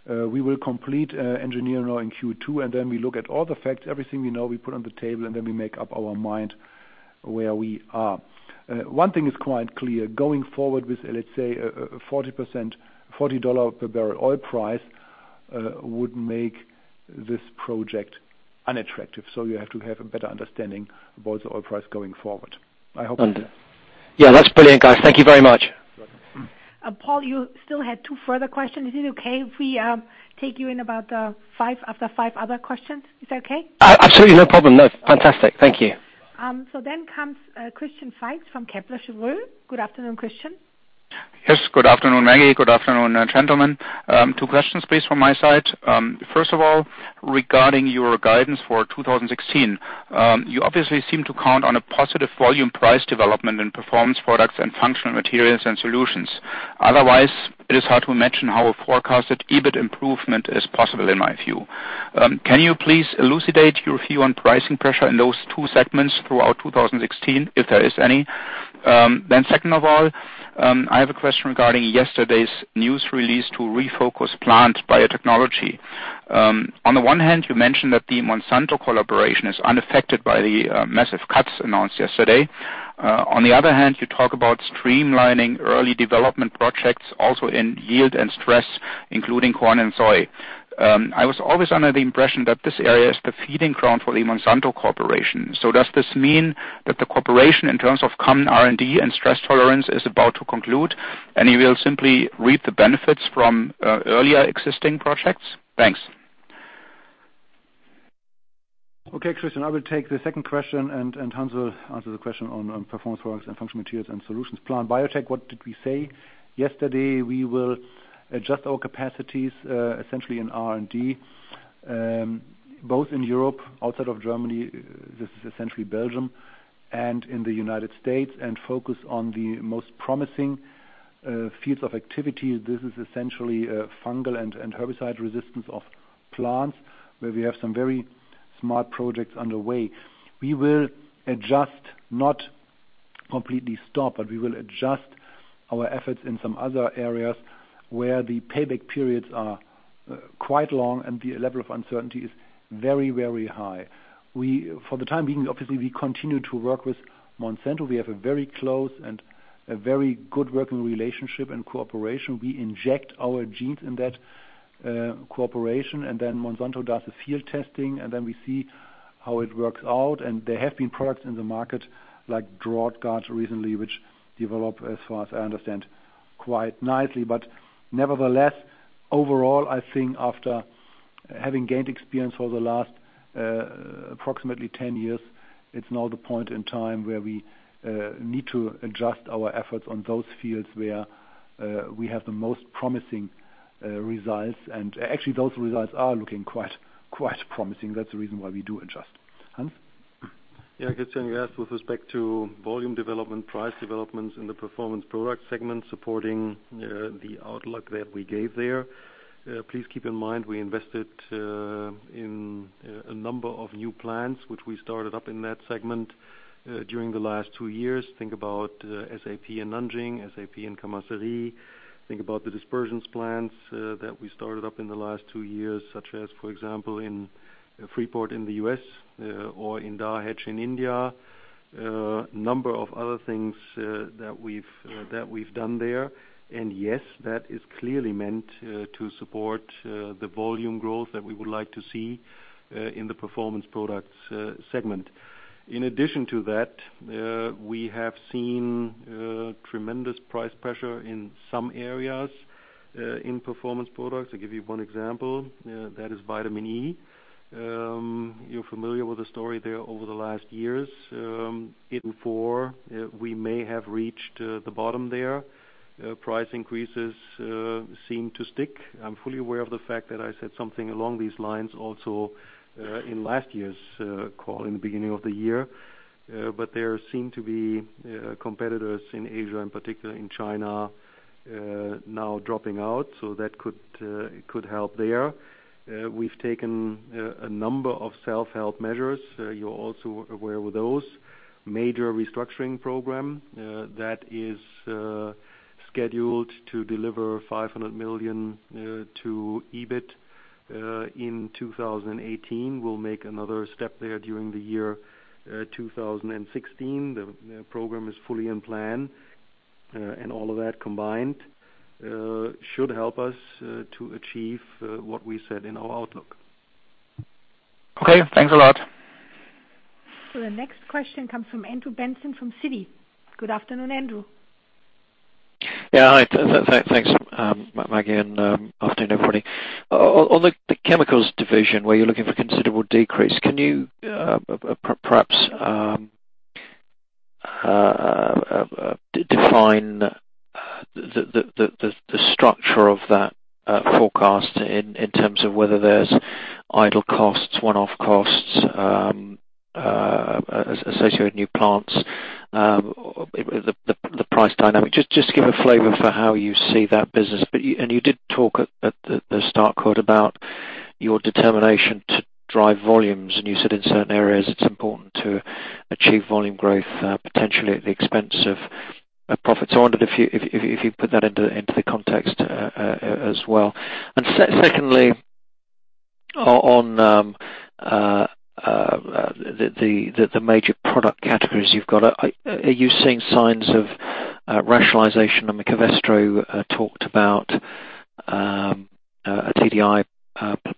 We will complete engineering in Q2, and then we look at all the facts. Everything we know, we put on the table, and then we make up our mind where we are. One thing is quite clear. Going forward with, let's say, $40 per barrel oil price, would make this project unattractive. You have to have a better understanding about the oil price going forward. I hope Understood. Yeah, that's brilliant, guys. Thank you very much. You're welcome. Paul, you still had two further questions. Is it okay if we take you after five other questions? Is that okay? Absolutely. No problem. No. Fantastic. Thank you. Then comes Christian Faitz from Kepler Cheuvreux. Good afternoon, Christian. Yes. Good afternoon, Maggie. Good afternoon, gentlemen. Two questions please from my side. First of all, regarding your guidance for 2016, you obviously seem to count on a positive volume price development in Performance Products and Functional Materials and Solutions. Otherwise, it is hard to imagine how a forecasted EBIT improvement is possible in my view. Can you please elucidate your view on pricing pressure in those two segments throughout 2016, if there is any? Then second of all, I have a question regarding yesterday's news release to refocus Plant Biotechnology. On the one hand, you mentioned that the Monsanto collaboration is unaffected by the massive cuts announced yesterday. On the other hand, you talk about streamlining early development projects also in yield and stress, including corn and soy. I was always under the impression that this area is the feeding ground for the Monsanto Corporation. Does this mean that the corporation, in terms of common R&D and stress tolerance, is about to conclude, and you will simply reap the benefits from earlier existing projects? Thanks. Okay, Christian, I will take the second question, and Hans will answer the question on Performance Products and Functional Materials and Solutions. Plant Biotech, what did we say? Yesterday, we will adjust our capacities essentially in R&D both in Europe, outside of Germany, this is essentially Belgium, and in the United States, and focus on the most promising fields of activity. This is essentially fungal and herbicide resistance of plants, where we have some very smart projects underway. We will adjust, not completely stop, but we will adjust our efforts in some other areas where the payback periods are quite long and the level of uncertainty is very, very high. For the time being, obviously, we continue to work with Monsanto. We have a very close and a very good working relationship and cooperation. We inject our genes in that cooperation, and then Monsanto does the field testing, and then we see how it works out. There have been products in the market like DroughtGard recently, which develop, as far as I understand, quite nicely. Nevertheless, overall, I think after having gained experience over the last approximately 10 years, it's now the point in time where we need to adjust our efforts on those fields where we have the most promising results. Actually, those results are looking quite promising. That's the reason why we do adjust. Hans? Yeah, Christian, you asked with respect to volume development, price developments in the Performance Products segment, supporting the outlook that we gave there. Please keep in mind we invested in a number of new plants, which we started up in that segment during the last two years. Think about SAP in Nanjing, SAP in Camaçari. Think about the dispersions plants that we started up in the last two years, such as, for example, in Freeport in the U.S., or in Dahej in India. A number of other things that we've done there. Yes, that is clearly meant to support the volume growth that we would like to see in the Performance Products segment. In addition to that, we have seen tremendous price pressure in some areas in Performance Products. To give you one example, that is Vitamin E. You're familiar with the story there over the last years. Even before, we may have reached the bottom there. Price increases seem to stick. I'm fully aware of the fact that I said something along these lines also in last year's call in the beginning of the year. There seem to be competitors in Asia, in particular in China, now dropping out, so that could help there. We've taken a number of self-help measures. You're also aware with those. Major restructuring program that is scheduled to deliver 500 million to EBIT in 2018. We'll make another step there during the year 2016. The program is fully in plan. All of that combined should help us to achieve what we said in our outlook. Okay. Thanks a lot. The next question comes from Andrew Benson from Citi. Good afternoon, Andrew. Yeah, hi. Thanks, Maggie, and afternoon, everybody. On the chemicals division, where you're looking for considerable decrease, can you perhaps define the structure of that forecast in terms of whether there's idle costs, one-off costs, associated new plants, the price dynamic? Just give a flavor for how you see that business. You did talk at the start quote about your determination to drive volumes, and you said in certain areas it's important to achieve volume growth, potentially at the expense of profits. I wondered if you put that into the context as well. Secondly, on the major product categories you've got, are you seeing signs of rationalization? I mean, Covestro talked about a TDI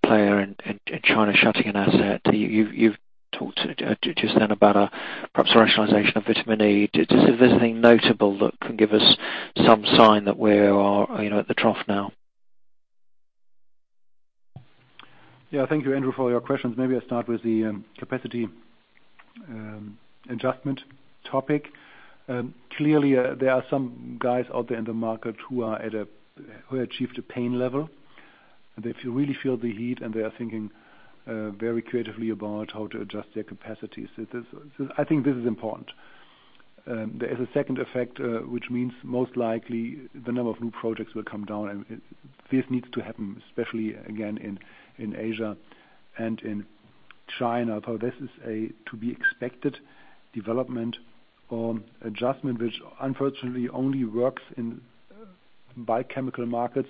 player in China shutting an asset. You've talked just then about a perhaps rationalization of Vitamin E. Is there anything notable that can give us some sign that we are at the trough now? Yeah. Thank you, Andrew, for your questions. Maybe I start with the capacity adjustment topic. Clearly, there are some guys out there in the market who are at a pain level. They really feel the heat, and they are thinking very creatively about how to adjust their capacities. This, I think, is important. There is a second effect, which means most likely the number of new projects will come down, and this needs to happen, especially again in Asia and in China. This is a to-be-expected development on adjustment, which unfortunately only works in basic chemical markets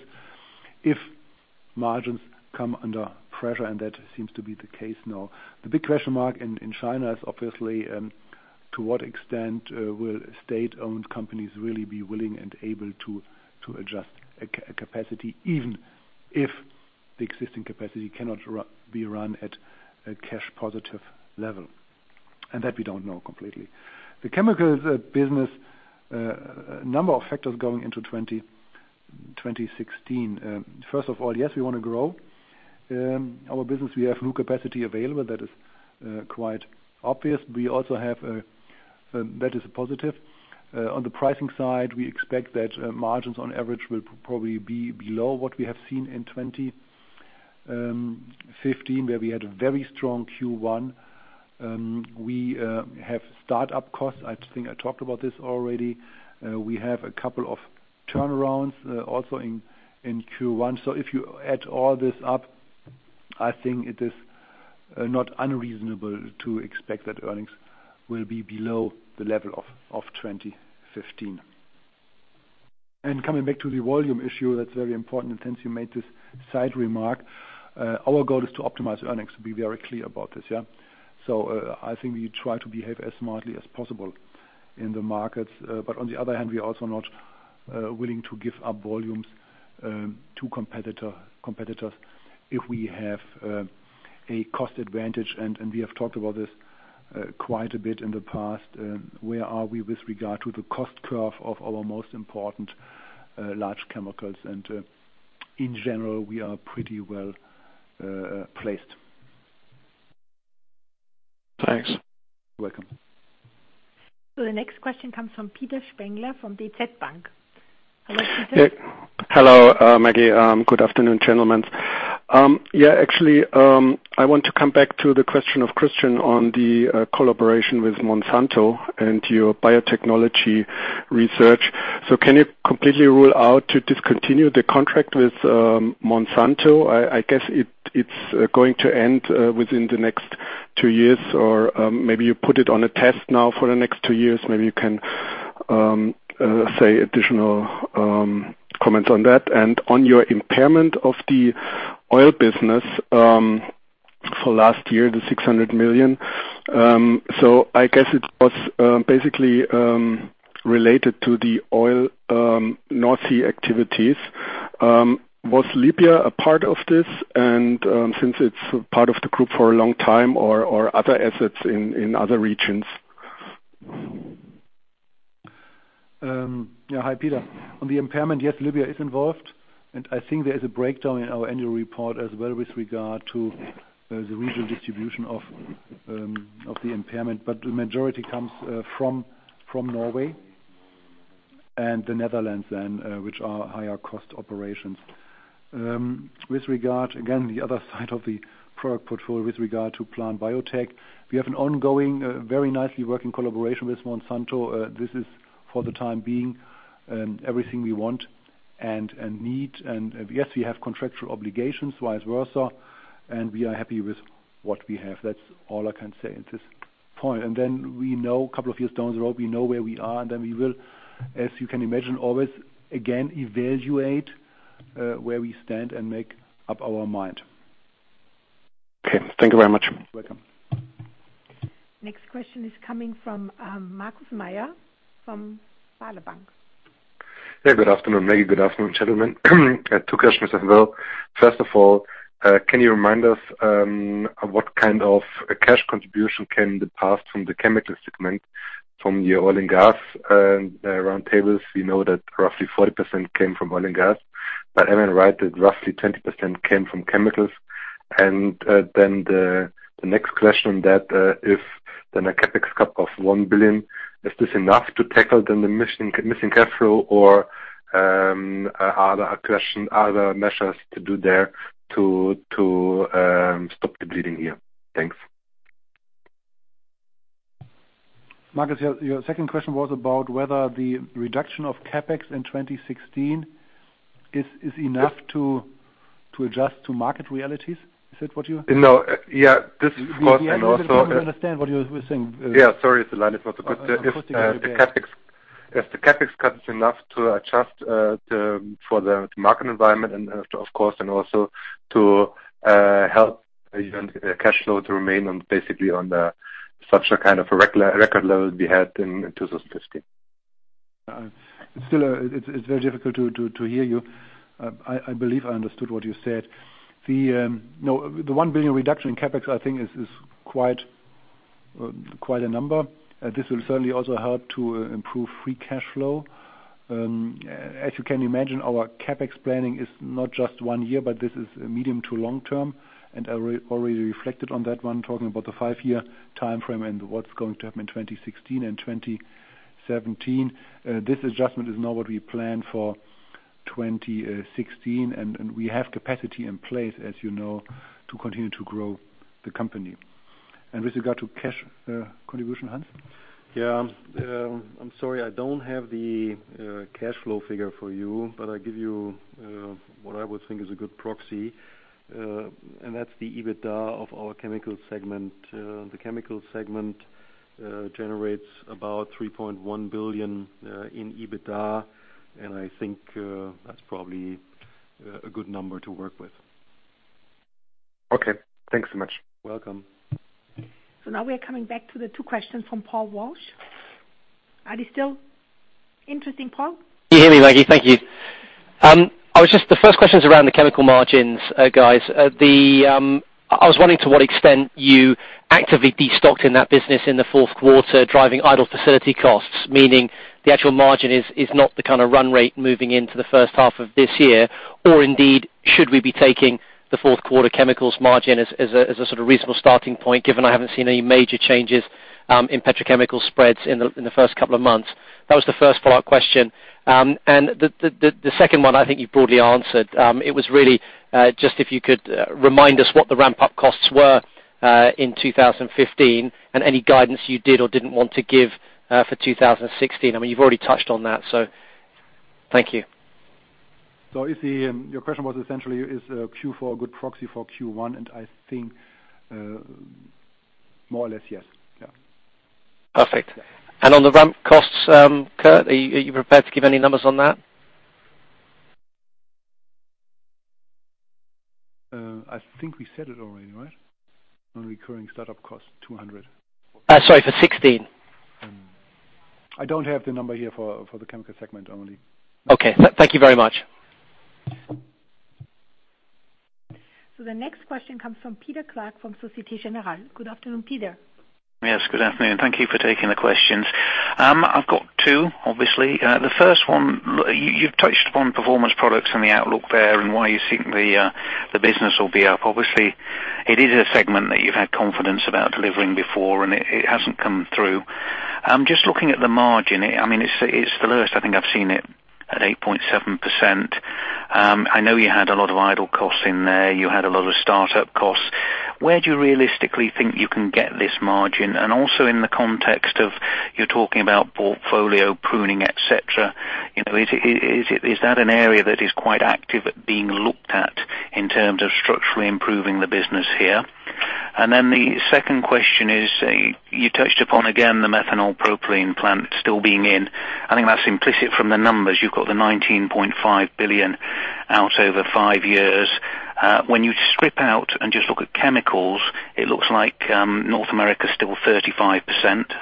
if margins come under pressure, and that seems to be the case now. The big question mark in China is obviously to what extent will state-owned companies really be willing and able to adjust capacity, even if the existing capacity cannot be run at a cash positive level? That we don't know completely. The chemicals business, a number of factors going into 2016. First of all, yes, we want to grow our business. We have new capacity available. That is quite obvious. We also have. That is a positive. On the pricing side, we expect that margins on average will probably be below what we have seen in 2015, where we had a very strong Q1. We have start-up costs. I think I talked about this already. We have a couple of turnarounds also in Q1. If you add all this up, I think it is not unreasonable to expect that earnings will be below the level of 2015. Coming back to the volume issue, that's very important, and since you made this side remark, our goal is to optimize earnings. Be very clear about this. I think we try to behave as smartly as possible in the markets. But on the other hand, we're also not willing to give up volumes to competitors if we have a cost advantage. We have talked about this quite a bit in the past, where are we with regard to the cost curve of our most important large chemicals. In general, we are pretty well placed. Thanks. You're welcome. The next question comes from Peter Spengler, from DZ Bank. Peter? Yeah. Hello, Maggie. Good afternoon, gentlemen. Yeah, actually, I want to come back to the question of Christian on the collaboration with Monsanto and your biotechnology research. Can you completely rule out to discontinue the contract with Monsanto? I guess it's going to end within the next two years, or maybe you put it on a test now for the next two years. Maybe you can say additional comments on that. On your impairment of the oil business for last year, the 600 million. I guess it was basically related to the oil North Sea activities. Was Libya a part of this? Since it's part of the group for a long time or other assets in other regions. Yeah, hi, Peter. On the impairment, yes, Libya is involved, and I think there is a breakdown in our annual report as well with regard to the regional distribution of the impairment, but the majority comes from Norway and the Netherlands then, which are higher cost operations. With regard, again, the other side of the product portfolio with regard to plant biotech, we have an ongoing very nicely working collaboration with Monsanto. This is for the time being everything we want and need. Yes, we have contractual obligations vice versa, and we are happy with what we have. That's all I can say at this point. We know a couple of years down the road, we know where we are, and then we will, as you can imagine, always again evaluate where we stand and make up our mind. Okay, thank you very much. You're welcome. Next question is coming from Markus Mayer from Baader Bank. Yeah, good afternoon, Maggie. Good afternoon, gentlemen. I have two questions as well. First of all, can you remind us what kind of cash contribution came in the past from the chemical segment from your oil and gas operations? We know that roughly 40% came from oil and gas. Am I right that roughly 20% came from chemicals? Then the next question is if a CapEx cut of 1 billion is enough to tackle the missing cash flow or are there measures to do there to stop the bleeding here? Thanks. Markus, your second question was about whether the reduction of CapEx in 2016 is enough to adjust to market realities. Is that what you- No. Yeah, this, of course, and also. I didn't even understand what you were saying. Yeah, sorry. The line is not so good. If the CapEx cut is enough to adjust for the market environment and of course also to help the cash flow to remain on basically such a kind of a record level we had in 2015. It's still very difficult to hear you. I believe I understood what you said. The 1 billion reduction in CapEx, I think is quite a number. This will certainly also help to improve free cash flow. As you can imagine, our CapEx planning is not just one year, but this is medium to long term, and I already reflected on that one, talking about the 5-year timeframe and what's going to happen in 2016 and 2017. This adjustment is not what we planned for 2016, and we have capacity in place, as you know, to continue to grow the company. With regard to cash contribution, Hans? I'm sorry, I don't have the cash flow figure for you, but I'll give you what I would think is a good proxy, and that's the EBITDA of our Chemical segment. The Chemical segment generates about 3.1 billion in EBITDA, and I think that's probably a good number to work with. Okay, thanks so much. Welcome. Now we are coming back to the two questions from Paul Walsh. Are they still interesting, Paul? Can you hear me, Maggie? Thank you. The first question is around the chemical margins, guys. I was wondering to what extent you actively destocked in that business in the fourth quarter, driving idle facility costs, meaning the actual margin is not the kind of run rate moving into the first half of this year? Or indeed, should we be taking the fourth quarter chemicals margin as a sort of reasonable starting point, given I haven't seen any major changes in petrochemical spreads in the first couple of months? That was the first follow-up question. And the second one I think you broadly answered. It was really just if you could remind us what the ramp-up costs were in 2015 and any guidance you did or didn't want to give for 2016. I mean, you've already touched on that, so thank you. Your question was essentially, is Q4 a good proxy for Q1, and I think more or less, yes. Yeah. Perfect. On the ramp costs, Kurt, are you prepared to give any numbers on that? I think we said it already, right? On recurring startup costs, 200. Sorry, for 16. I don't have the number here for the chemical segment only. Okay. Thank you very much. The next question comes from Peter Clark from Société Générale. Good afternoon, Peter. Yes, good afternoon. Thank you for taking the questions. I've got two, obviously. The first one, you've touched upon performance products and the outlook there and why you think the business will be up. Obviously, it is a segment that you've had confidence about delivering before, and it hasn't come through. Just looking at the margin, I mean, it's the lowest I think I've seen it at 8.7%. I know you had a lot of idle costs in there. You had a lot of startup costs. Where do you realistically think you can get this margin? And also in the context of you're talking about portfolio pruning, et cetera, you know, is it that an area that is quite active at being looked at in terms of structurally improving the business here? The second question is, you touched upon again the methanol-to-propylene plant still being in. I think that's implicit from the numbers. You've got the 19.5 billion out over five years. When you strip out and just look at chemicals, it looks like, North America is still 35%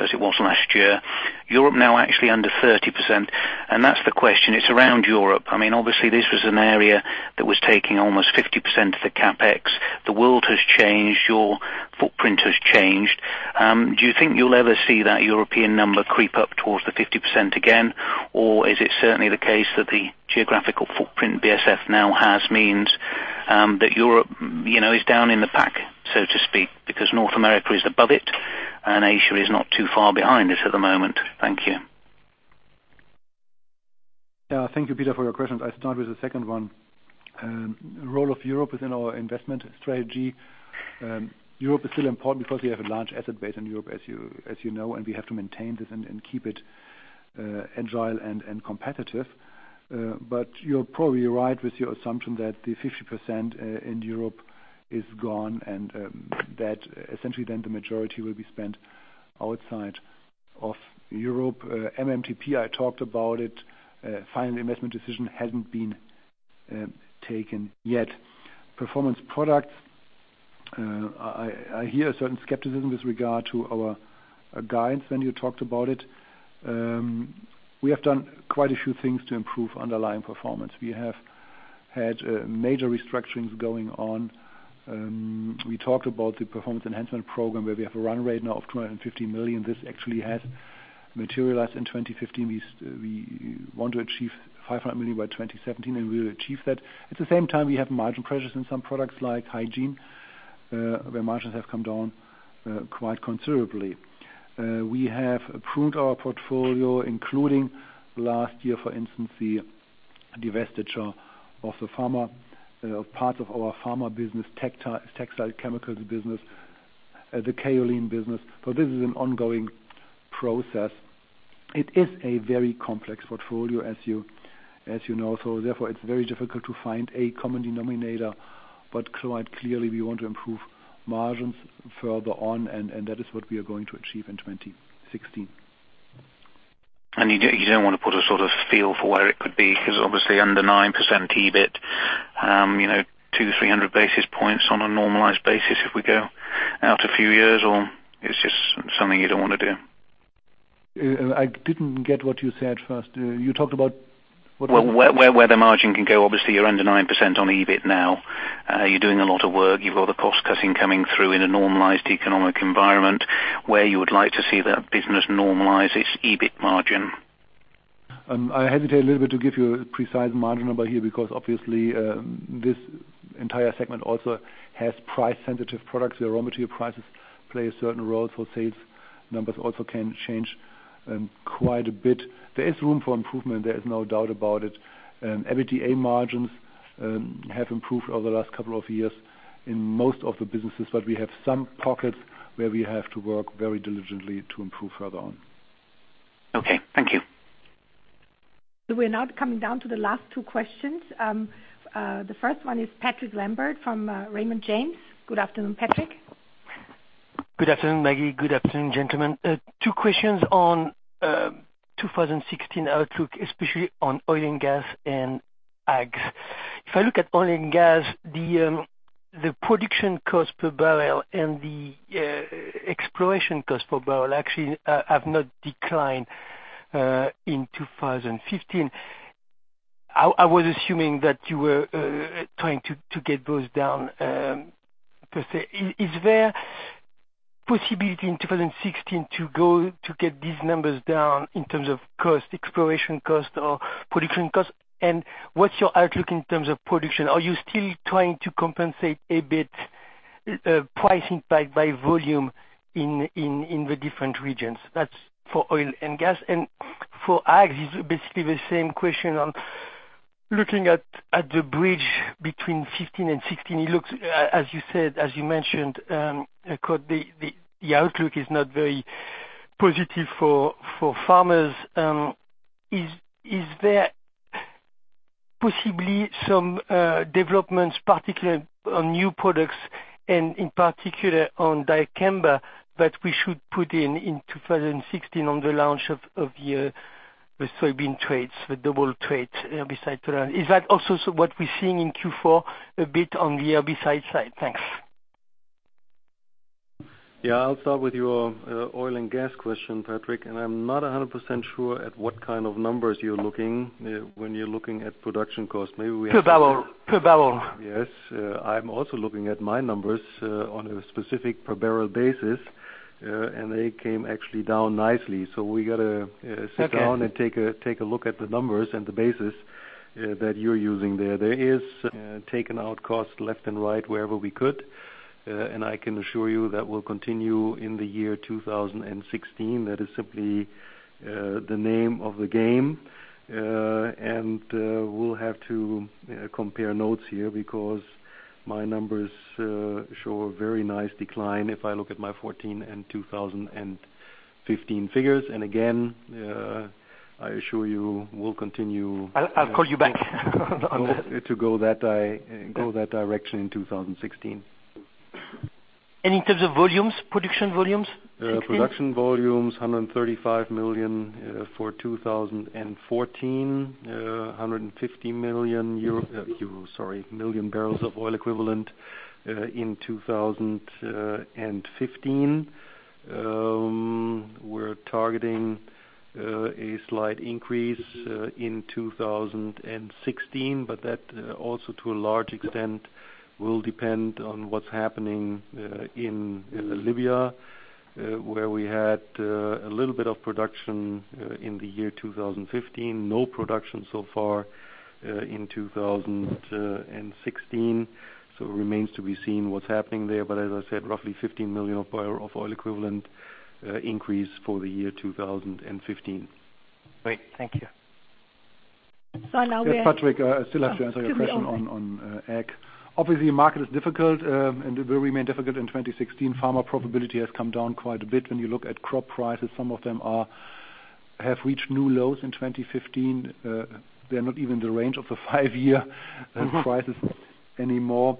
as it was last year. Europe now actually under 30%, and that's the question, it's around Europe. I mean, obviously this was an area that was taking almost 50% of the CapEx. The world has changed, your footprint has changed. Do you think you'll ever see that European number creep up towards the 50% again, or is it certainly the case that the geographical footprint BASF now has means that Europe, you know, is down in the pack, so to speak, because North America is above it and Asia is not too far behind this at the moment? Thank you. Yeah, thank you, Peter, for your questions. I'll start with the second one. Role of Europe within our investment strategy. Europe is still important because we have a large asset base in Europe, as you know, and we have to maintain this and keep it agile and competitive. But you're probably right with your assumption that the 50% in Europe is gone and that essentially then the majority will be spent outside of Europe. MTP, I talked about it. Final investment decision hasn't been taken yet. Performance Products. I hear a certain skepticism with regard to our guides when you talked about it. We have done quite a few things to improve underlying performance. We have had major restructurings going on. We talked about the performance enhancement program, where we have a run rate now of 250 million. This actually has materialized in 2015. We want to achieve 500 million by 2017, and we will achieve that. At the same time, we have margin pressures in some products like hygiene, where margins have come down quite considerably. We have improved our portfolio, including last year, for instance, the divestiture of parts of our pharma business, textile chemicals business, the kaolin business. This is an ongoing process. It is a very complex portfolio, as you know. Therefore it's very difficult to find a common denominator, but quite clearly we want to improve margins further on and that is what we are going to achieve in 2016. You don't want to put a sort of feel for where it could be because obviously under 9% EBIT, you know, 200-300 basis points on a normalized basis if we go out a few years, or it's just something you don't want to do. I didn't get what you said first. You talked about. Well, where the margin can go. Obviously, you're under 9% on EBIT now. You're doing a lot of work. You've got the cost-cutting coming through in a normalized economic environment where you would like to see that business normalize its EBIT margin. I hesitate a little bit to give you a precise margin number here because obviously, this entire segment also has price-sensitive products. The raw material prices play a certain role, so sales numbers also can change quite a bit. There is room for improvement, there is no doubt about it. EBITDA margins have improved over the last couple of years in most of the businesses, but we have some pockets where we have to work very diligently to improve further on. Okay. Thank you. We're now coming down to the last two questions. The first one is Patrick Lambert from Raymond James. Good afternoon, Patrick. Good afternoon, Maggie. Good afternoon, gentlemen. Two questions on 2016 outlook, especially on oil and gas and ag. If I look at oil and gas, the production cost per barrel and the exploration cost per barrel actually have not declined in 2015. I was assuming that you were trying to get those down per se. Is there possibility in 2016 to get these numbers down in terms of cost, exploration cost or production cost? And what's your outlook in terms of production? Are you still trying to compensate a bit price impact by volume in the different regions? That's for oil and gas. And for ag, it's basically the same question on looking at the bridge between 2015 and 2016. It looks, as you said, as you mentioned, Kurt, the outlook is not very positive for farmers. Is there possibly some developments, particularly on new products and in particular on Dicamba that we should put in 2016 on the launch of the soybean traits, the double trait herbicide? Is that also what we're seeing in Q4 a bit on the herbicide side? Thanks. Yeah, I'll start with your oil and gas question, Patrick, and I'm not 100% sure at what kind of numbers you're looking when you're looking at production costs. Maybe we have to- Per barrel. Yes. I'm also looking at my numbers on a specific per barrel basis, and they came actually down nicely. We got to, Okay. Sit down and take a look at the numbers and the basis that you're using there. There is taken out costs left and right wherever we could, and I can assure you that will continue in the year 2016. That is simply the name of the game. We'll have to compare notes here because my numbers show a very nice decline if I look at my 2014 and 2015 figures. Again, I assure you we'll continue. I'll call you back on that. -to go that di- Yeah. go that direction in 2016. In terms of volumes, production volumes? Production volumes 135 million for 2014. 150 million barrels of oil equivalent in 2015. We're targeting a slight increase in 2016, but that also to a large extent will depend on what's happening in Libya, where we had a little bit of production in 2015. No production so far in 2016. It remains to be seen what's happening there. As I said, roughly 15 million barrels of oil equivalent increase for 2015. Great. Thank you. Now we are. Yes, Patrick, I still have to answer your question on ag. Obviously, market is difficult, and it will remain difficult in 2016. Farmer profitability has come down quite a bit. When you look at crop prices, some of them have reached new lows in 2015. They're not even in the range of the five-year prices anymore.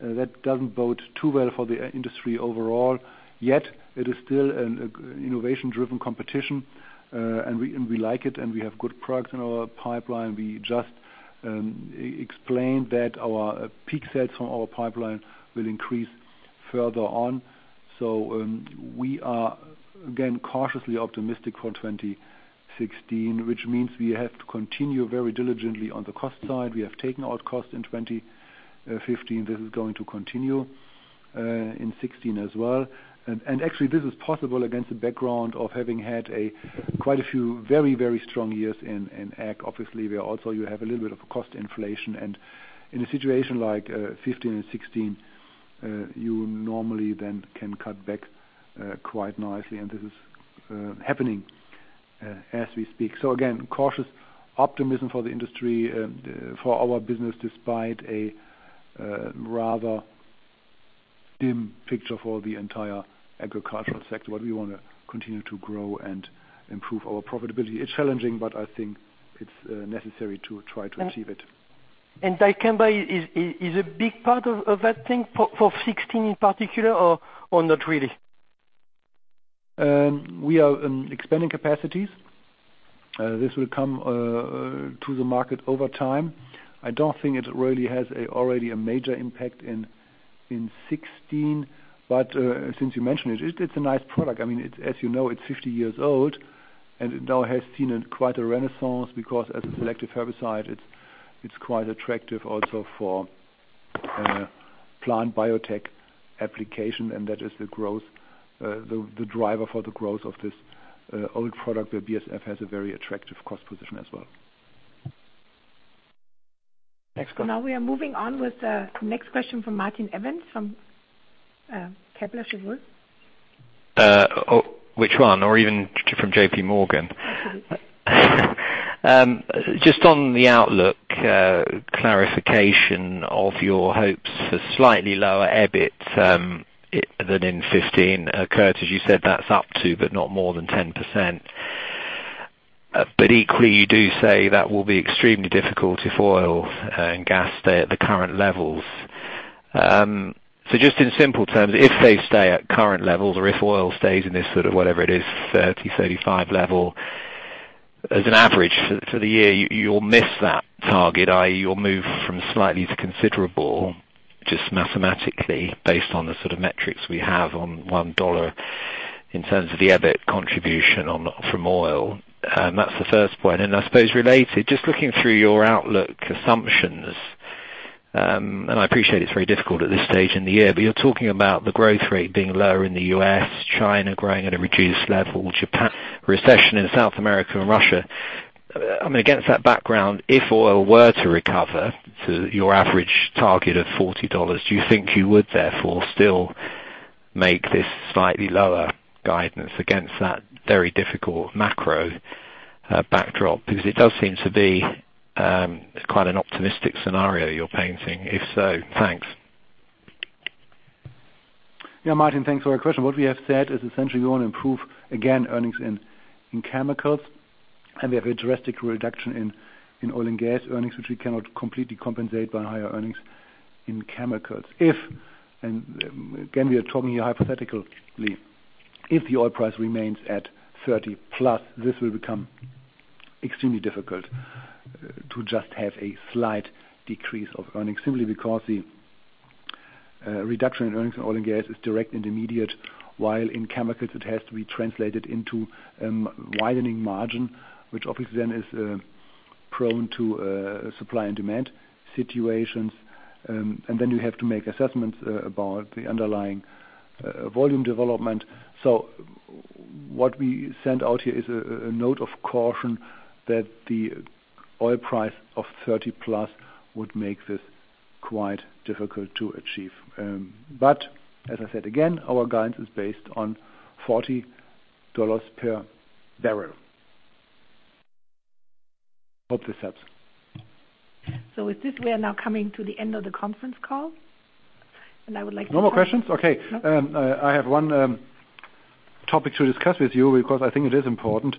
That doesn't bode too well for the industry overall. Yet it is still an innovation-driven competition, and we like it, and we have good products in our pipeline. We just explained that our peak sales from our pipeline will increase further on. We are again cautiously optimistic for 2016, which means we have to continue very diligently on the cost side. We have taken out cost in 2015. This is going to continue in 2016 as well. Actually this is possible against the background of having had quite a few very, very strong years in ag. Obviously, we are also having a little bit of cost inflation, and in a situation like 2015 and 2016, you normally then can cut back quite nicely, and this is happening as we speak. Again, cautious optimism for the industry for our business despite a rather dim picture for the entire agricultural sector. We want to continue to grow and improve our profitability. It's challenging, but I think it's necessary to try to achieve it. Dicamba is a big part of that thing for 2016 in particular or not really? We are expanding capacities. This will come to the market over time. I don't think it really has already a major impact in 2016. Since you mentioned it's a nice product. I mean, it's, as you know, it's 50 years old, and it now has seen a renaissance because as a selective herbicide, it's quite attractive also for plant biotech application, and that is the growth driver for the growth of this old product where BASF has a very attractive cost position as well. Thanks. Now we are moving on with the next question from Martin Evans from Kepler Cheuvreux. Just on the outlook, clarification of your hopes for slightly lower EBIT than in 2015. Kurt, as you said, that's up to but not more than 10%. But equally, you do say that will be extremely difficult if oil and gas stay at the current levels. Just in simple terms, if they stay at current levels or if oil stays in this sort of whatever it is, $30-$35 level as an average for the year, you'll miss that target, i.e. you'll move from slightly to considerable, just mathematically based on the sort of metrics we have on $1 in terms of the EBIT contribution from oil. That's the first point. I suppose related, just looking through your outlook assumptions, and I appreciate it's very difficult at this stage in the year, but you're talking about the growth rate being lower in the U.S., China growing at a reduced level, Japan, recession in South America and Russia. I mean, against that background, if oil were to recover to your average target of $40, do you think you would therefore still make this slightly lower guidance against that very difficult macro backdrop? Because it does seem to be quite an optimistic scenario you're painting. If so, thanks. Yeah, Martin, thanks for your question. What we have said is essentially we want to improve, again, earnings in chemicals, and we have a drastic reduction in oil and gas earnings, which we cannot completely compensate by higher earnings in chemicals. If, and again, we are talking here hypothetically, if the oil price remains at $30+, this will become extremely difficult to just have a slight decrease of earnings simply because the reduction in earnings in oil and gas is direct and immediate, while in chemicals it has to be translated into widening margin, which obviously then is prone to supply and demand situations. And then you have to make assessments about the underlying volume development. What we send out here is a note of caution that the oil price of 30+ would make this quite difficult to achieve. As I said, again, our guidance is based on $40 per barrel. Hope this helps. With this, we are now coming to the end of the conference call, and I would like to thank- No more questions? Okay. No. I have one topic to discuss with you because I think it is important.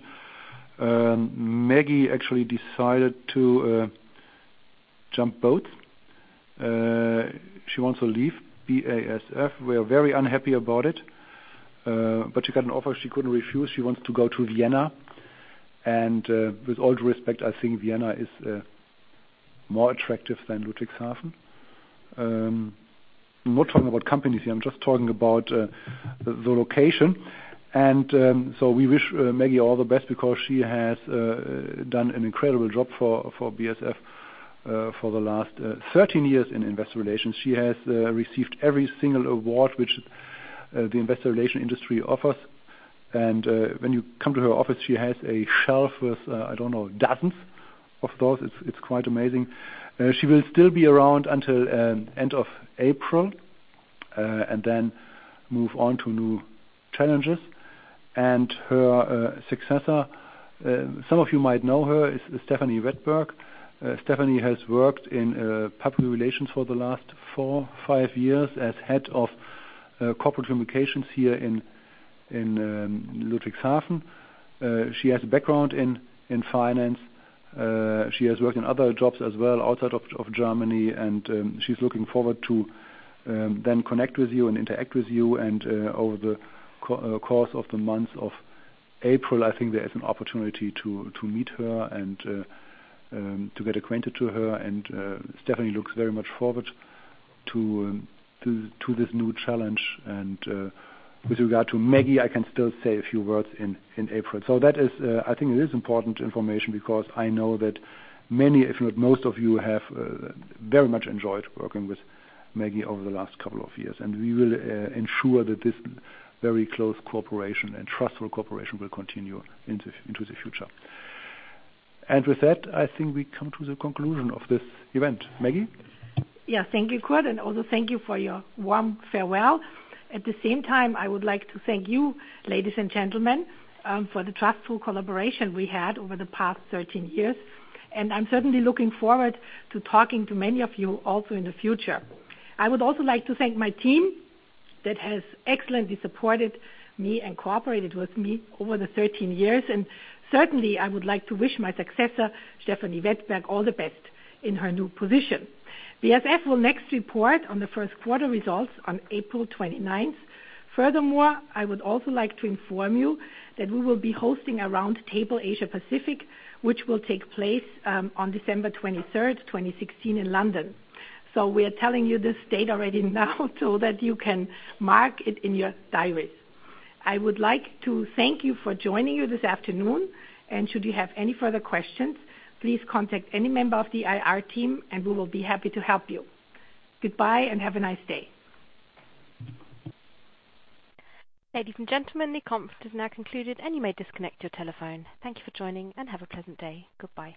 Maggie actually decided to jump boat. She wants to leave BASF. We are very unhappy about it, but she got an offer she couldn't refuse. She wants to go to Vienna. With all due respect, I think Vienna is more attractive than Ludwigshafen. I'm not talking about companies here, I'm just talking about the location. We wish Maggie all the best because she has done an incredible job for BASF for the last 13 years in investor relations. She has received every single award which the investor relations industry offers. When you come to her office, she has a shelf with I don't know, dozens of those. It's quite amazing. She will still be around until end of April, and then move on to new challenges. Her successor, some of you might know her, is Stefanie Wettberg. Stefanie has worked in public relations for the last four, five years as head of corporate communications here in Ludwigshafen. She has a background in finance. She has worked in other jobs as well outside of Germany, and she's looking forward to then connect with you and interact with you. Over the course of the month of April, I think there is an opportunity to meet her and to get acquainted to her. Stefanie looks very much forward to this new challenge. With regard to Maggie, I can still say a few words in April. That is, I think it is important information because I know that many, if not most of you, have very much enjoyed working with Maggie over the last couple of years. We will ensure that this very close cooperation and trustful cooperation will continue into the future. With that, I think we come to the conclusion of this event. Maggie? Yeah. Thank you, Kurt, and also thank you for your warm farewell. At the same time, I would like to thank you, ladies and gentlemen, for the trustful collaboration we had over the past 13 years. I'm certainly looking forward to talking to many of you also in the future. I would also like to thank my team that has excellently supported me and cooperated with me over the 13 years. I would like to wish my successor, Stefanie Wettberg, all the best in her new position. BASF will next report on the first quarter results on April 29th. Furthermore, I would also like to inform you that we will be hosting a roundtable Asia Pacific, which will take place on December 23, 2016 in London. We are telling you this date already now so that you can mark it in your diaries. I would like to thank you for joining us this afternoon. Should you have any further questions, please contact any member of the IR team, and we will be happy to help you. Goodbye, and have a nice day. Ladies and gentlemen, the conference is now concluded, and you may disconnect your telephone. Thank you for joining, and have a pleasant day. Goodbye.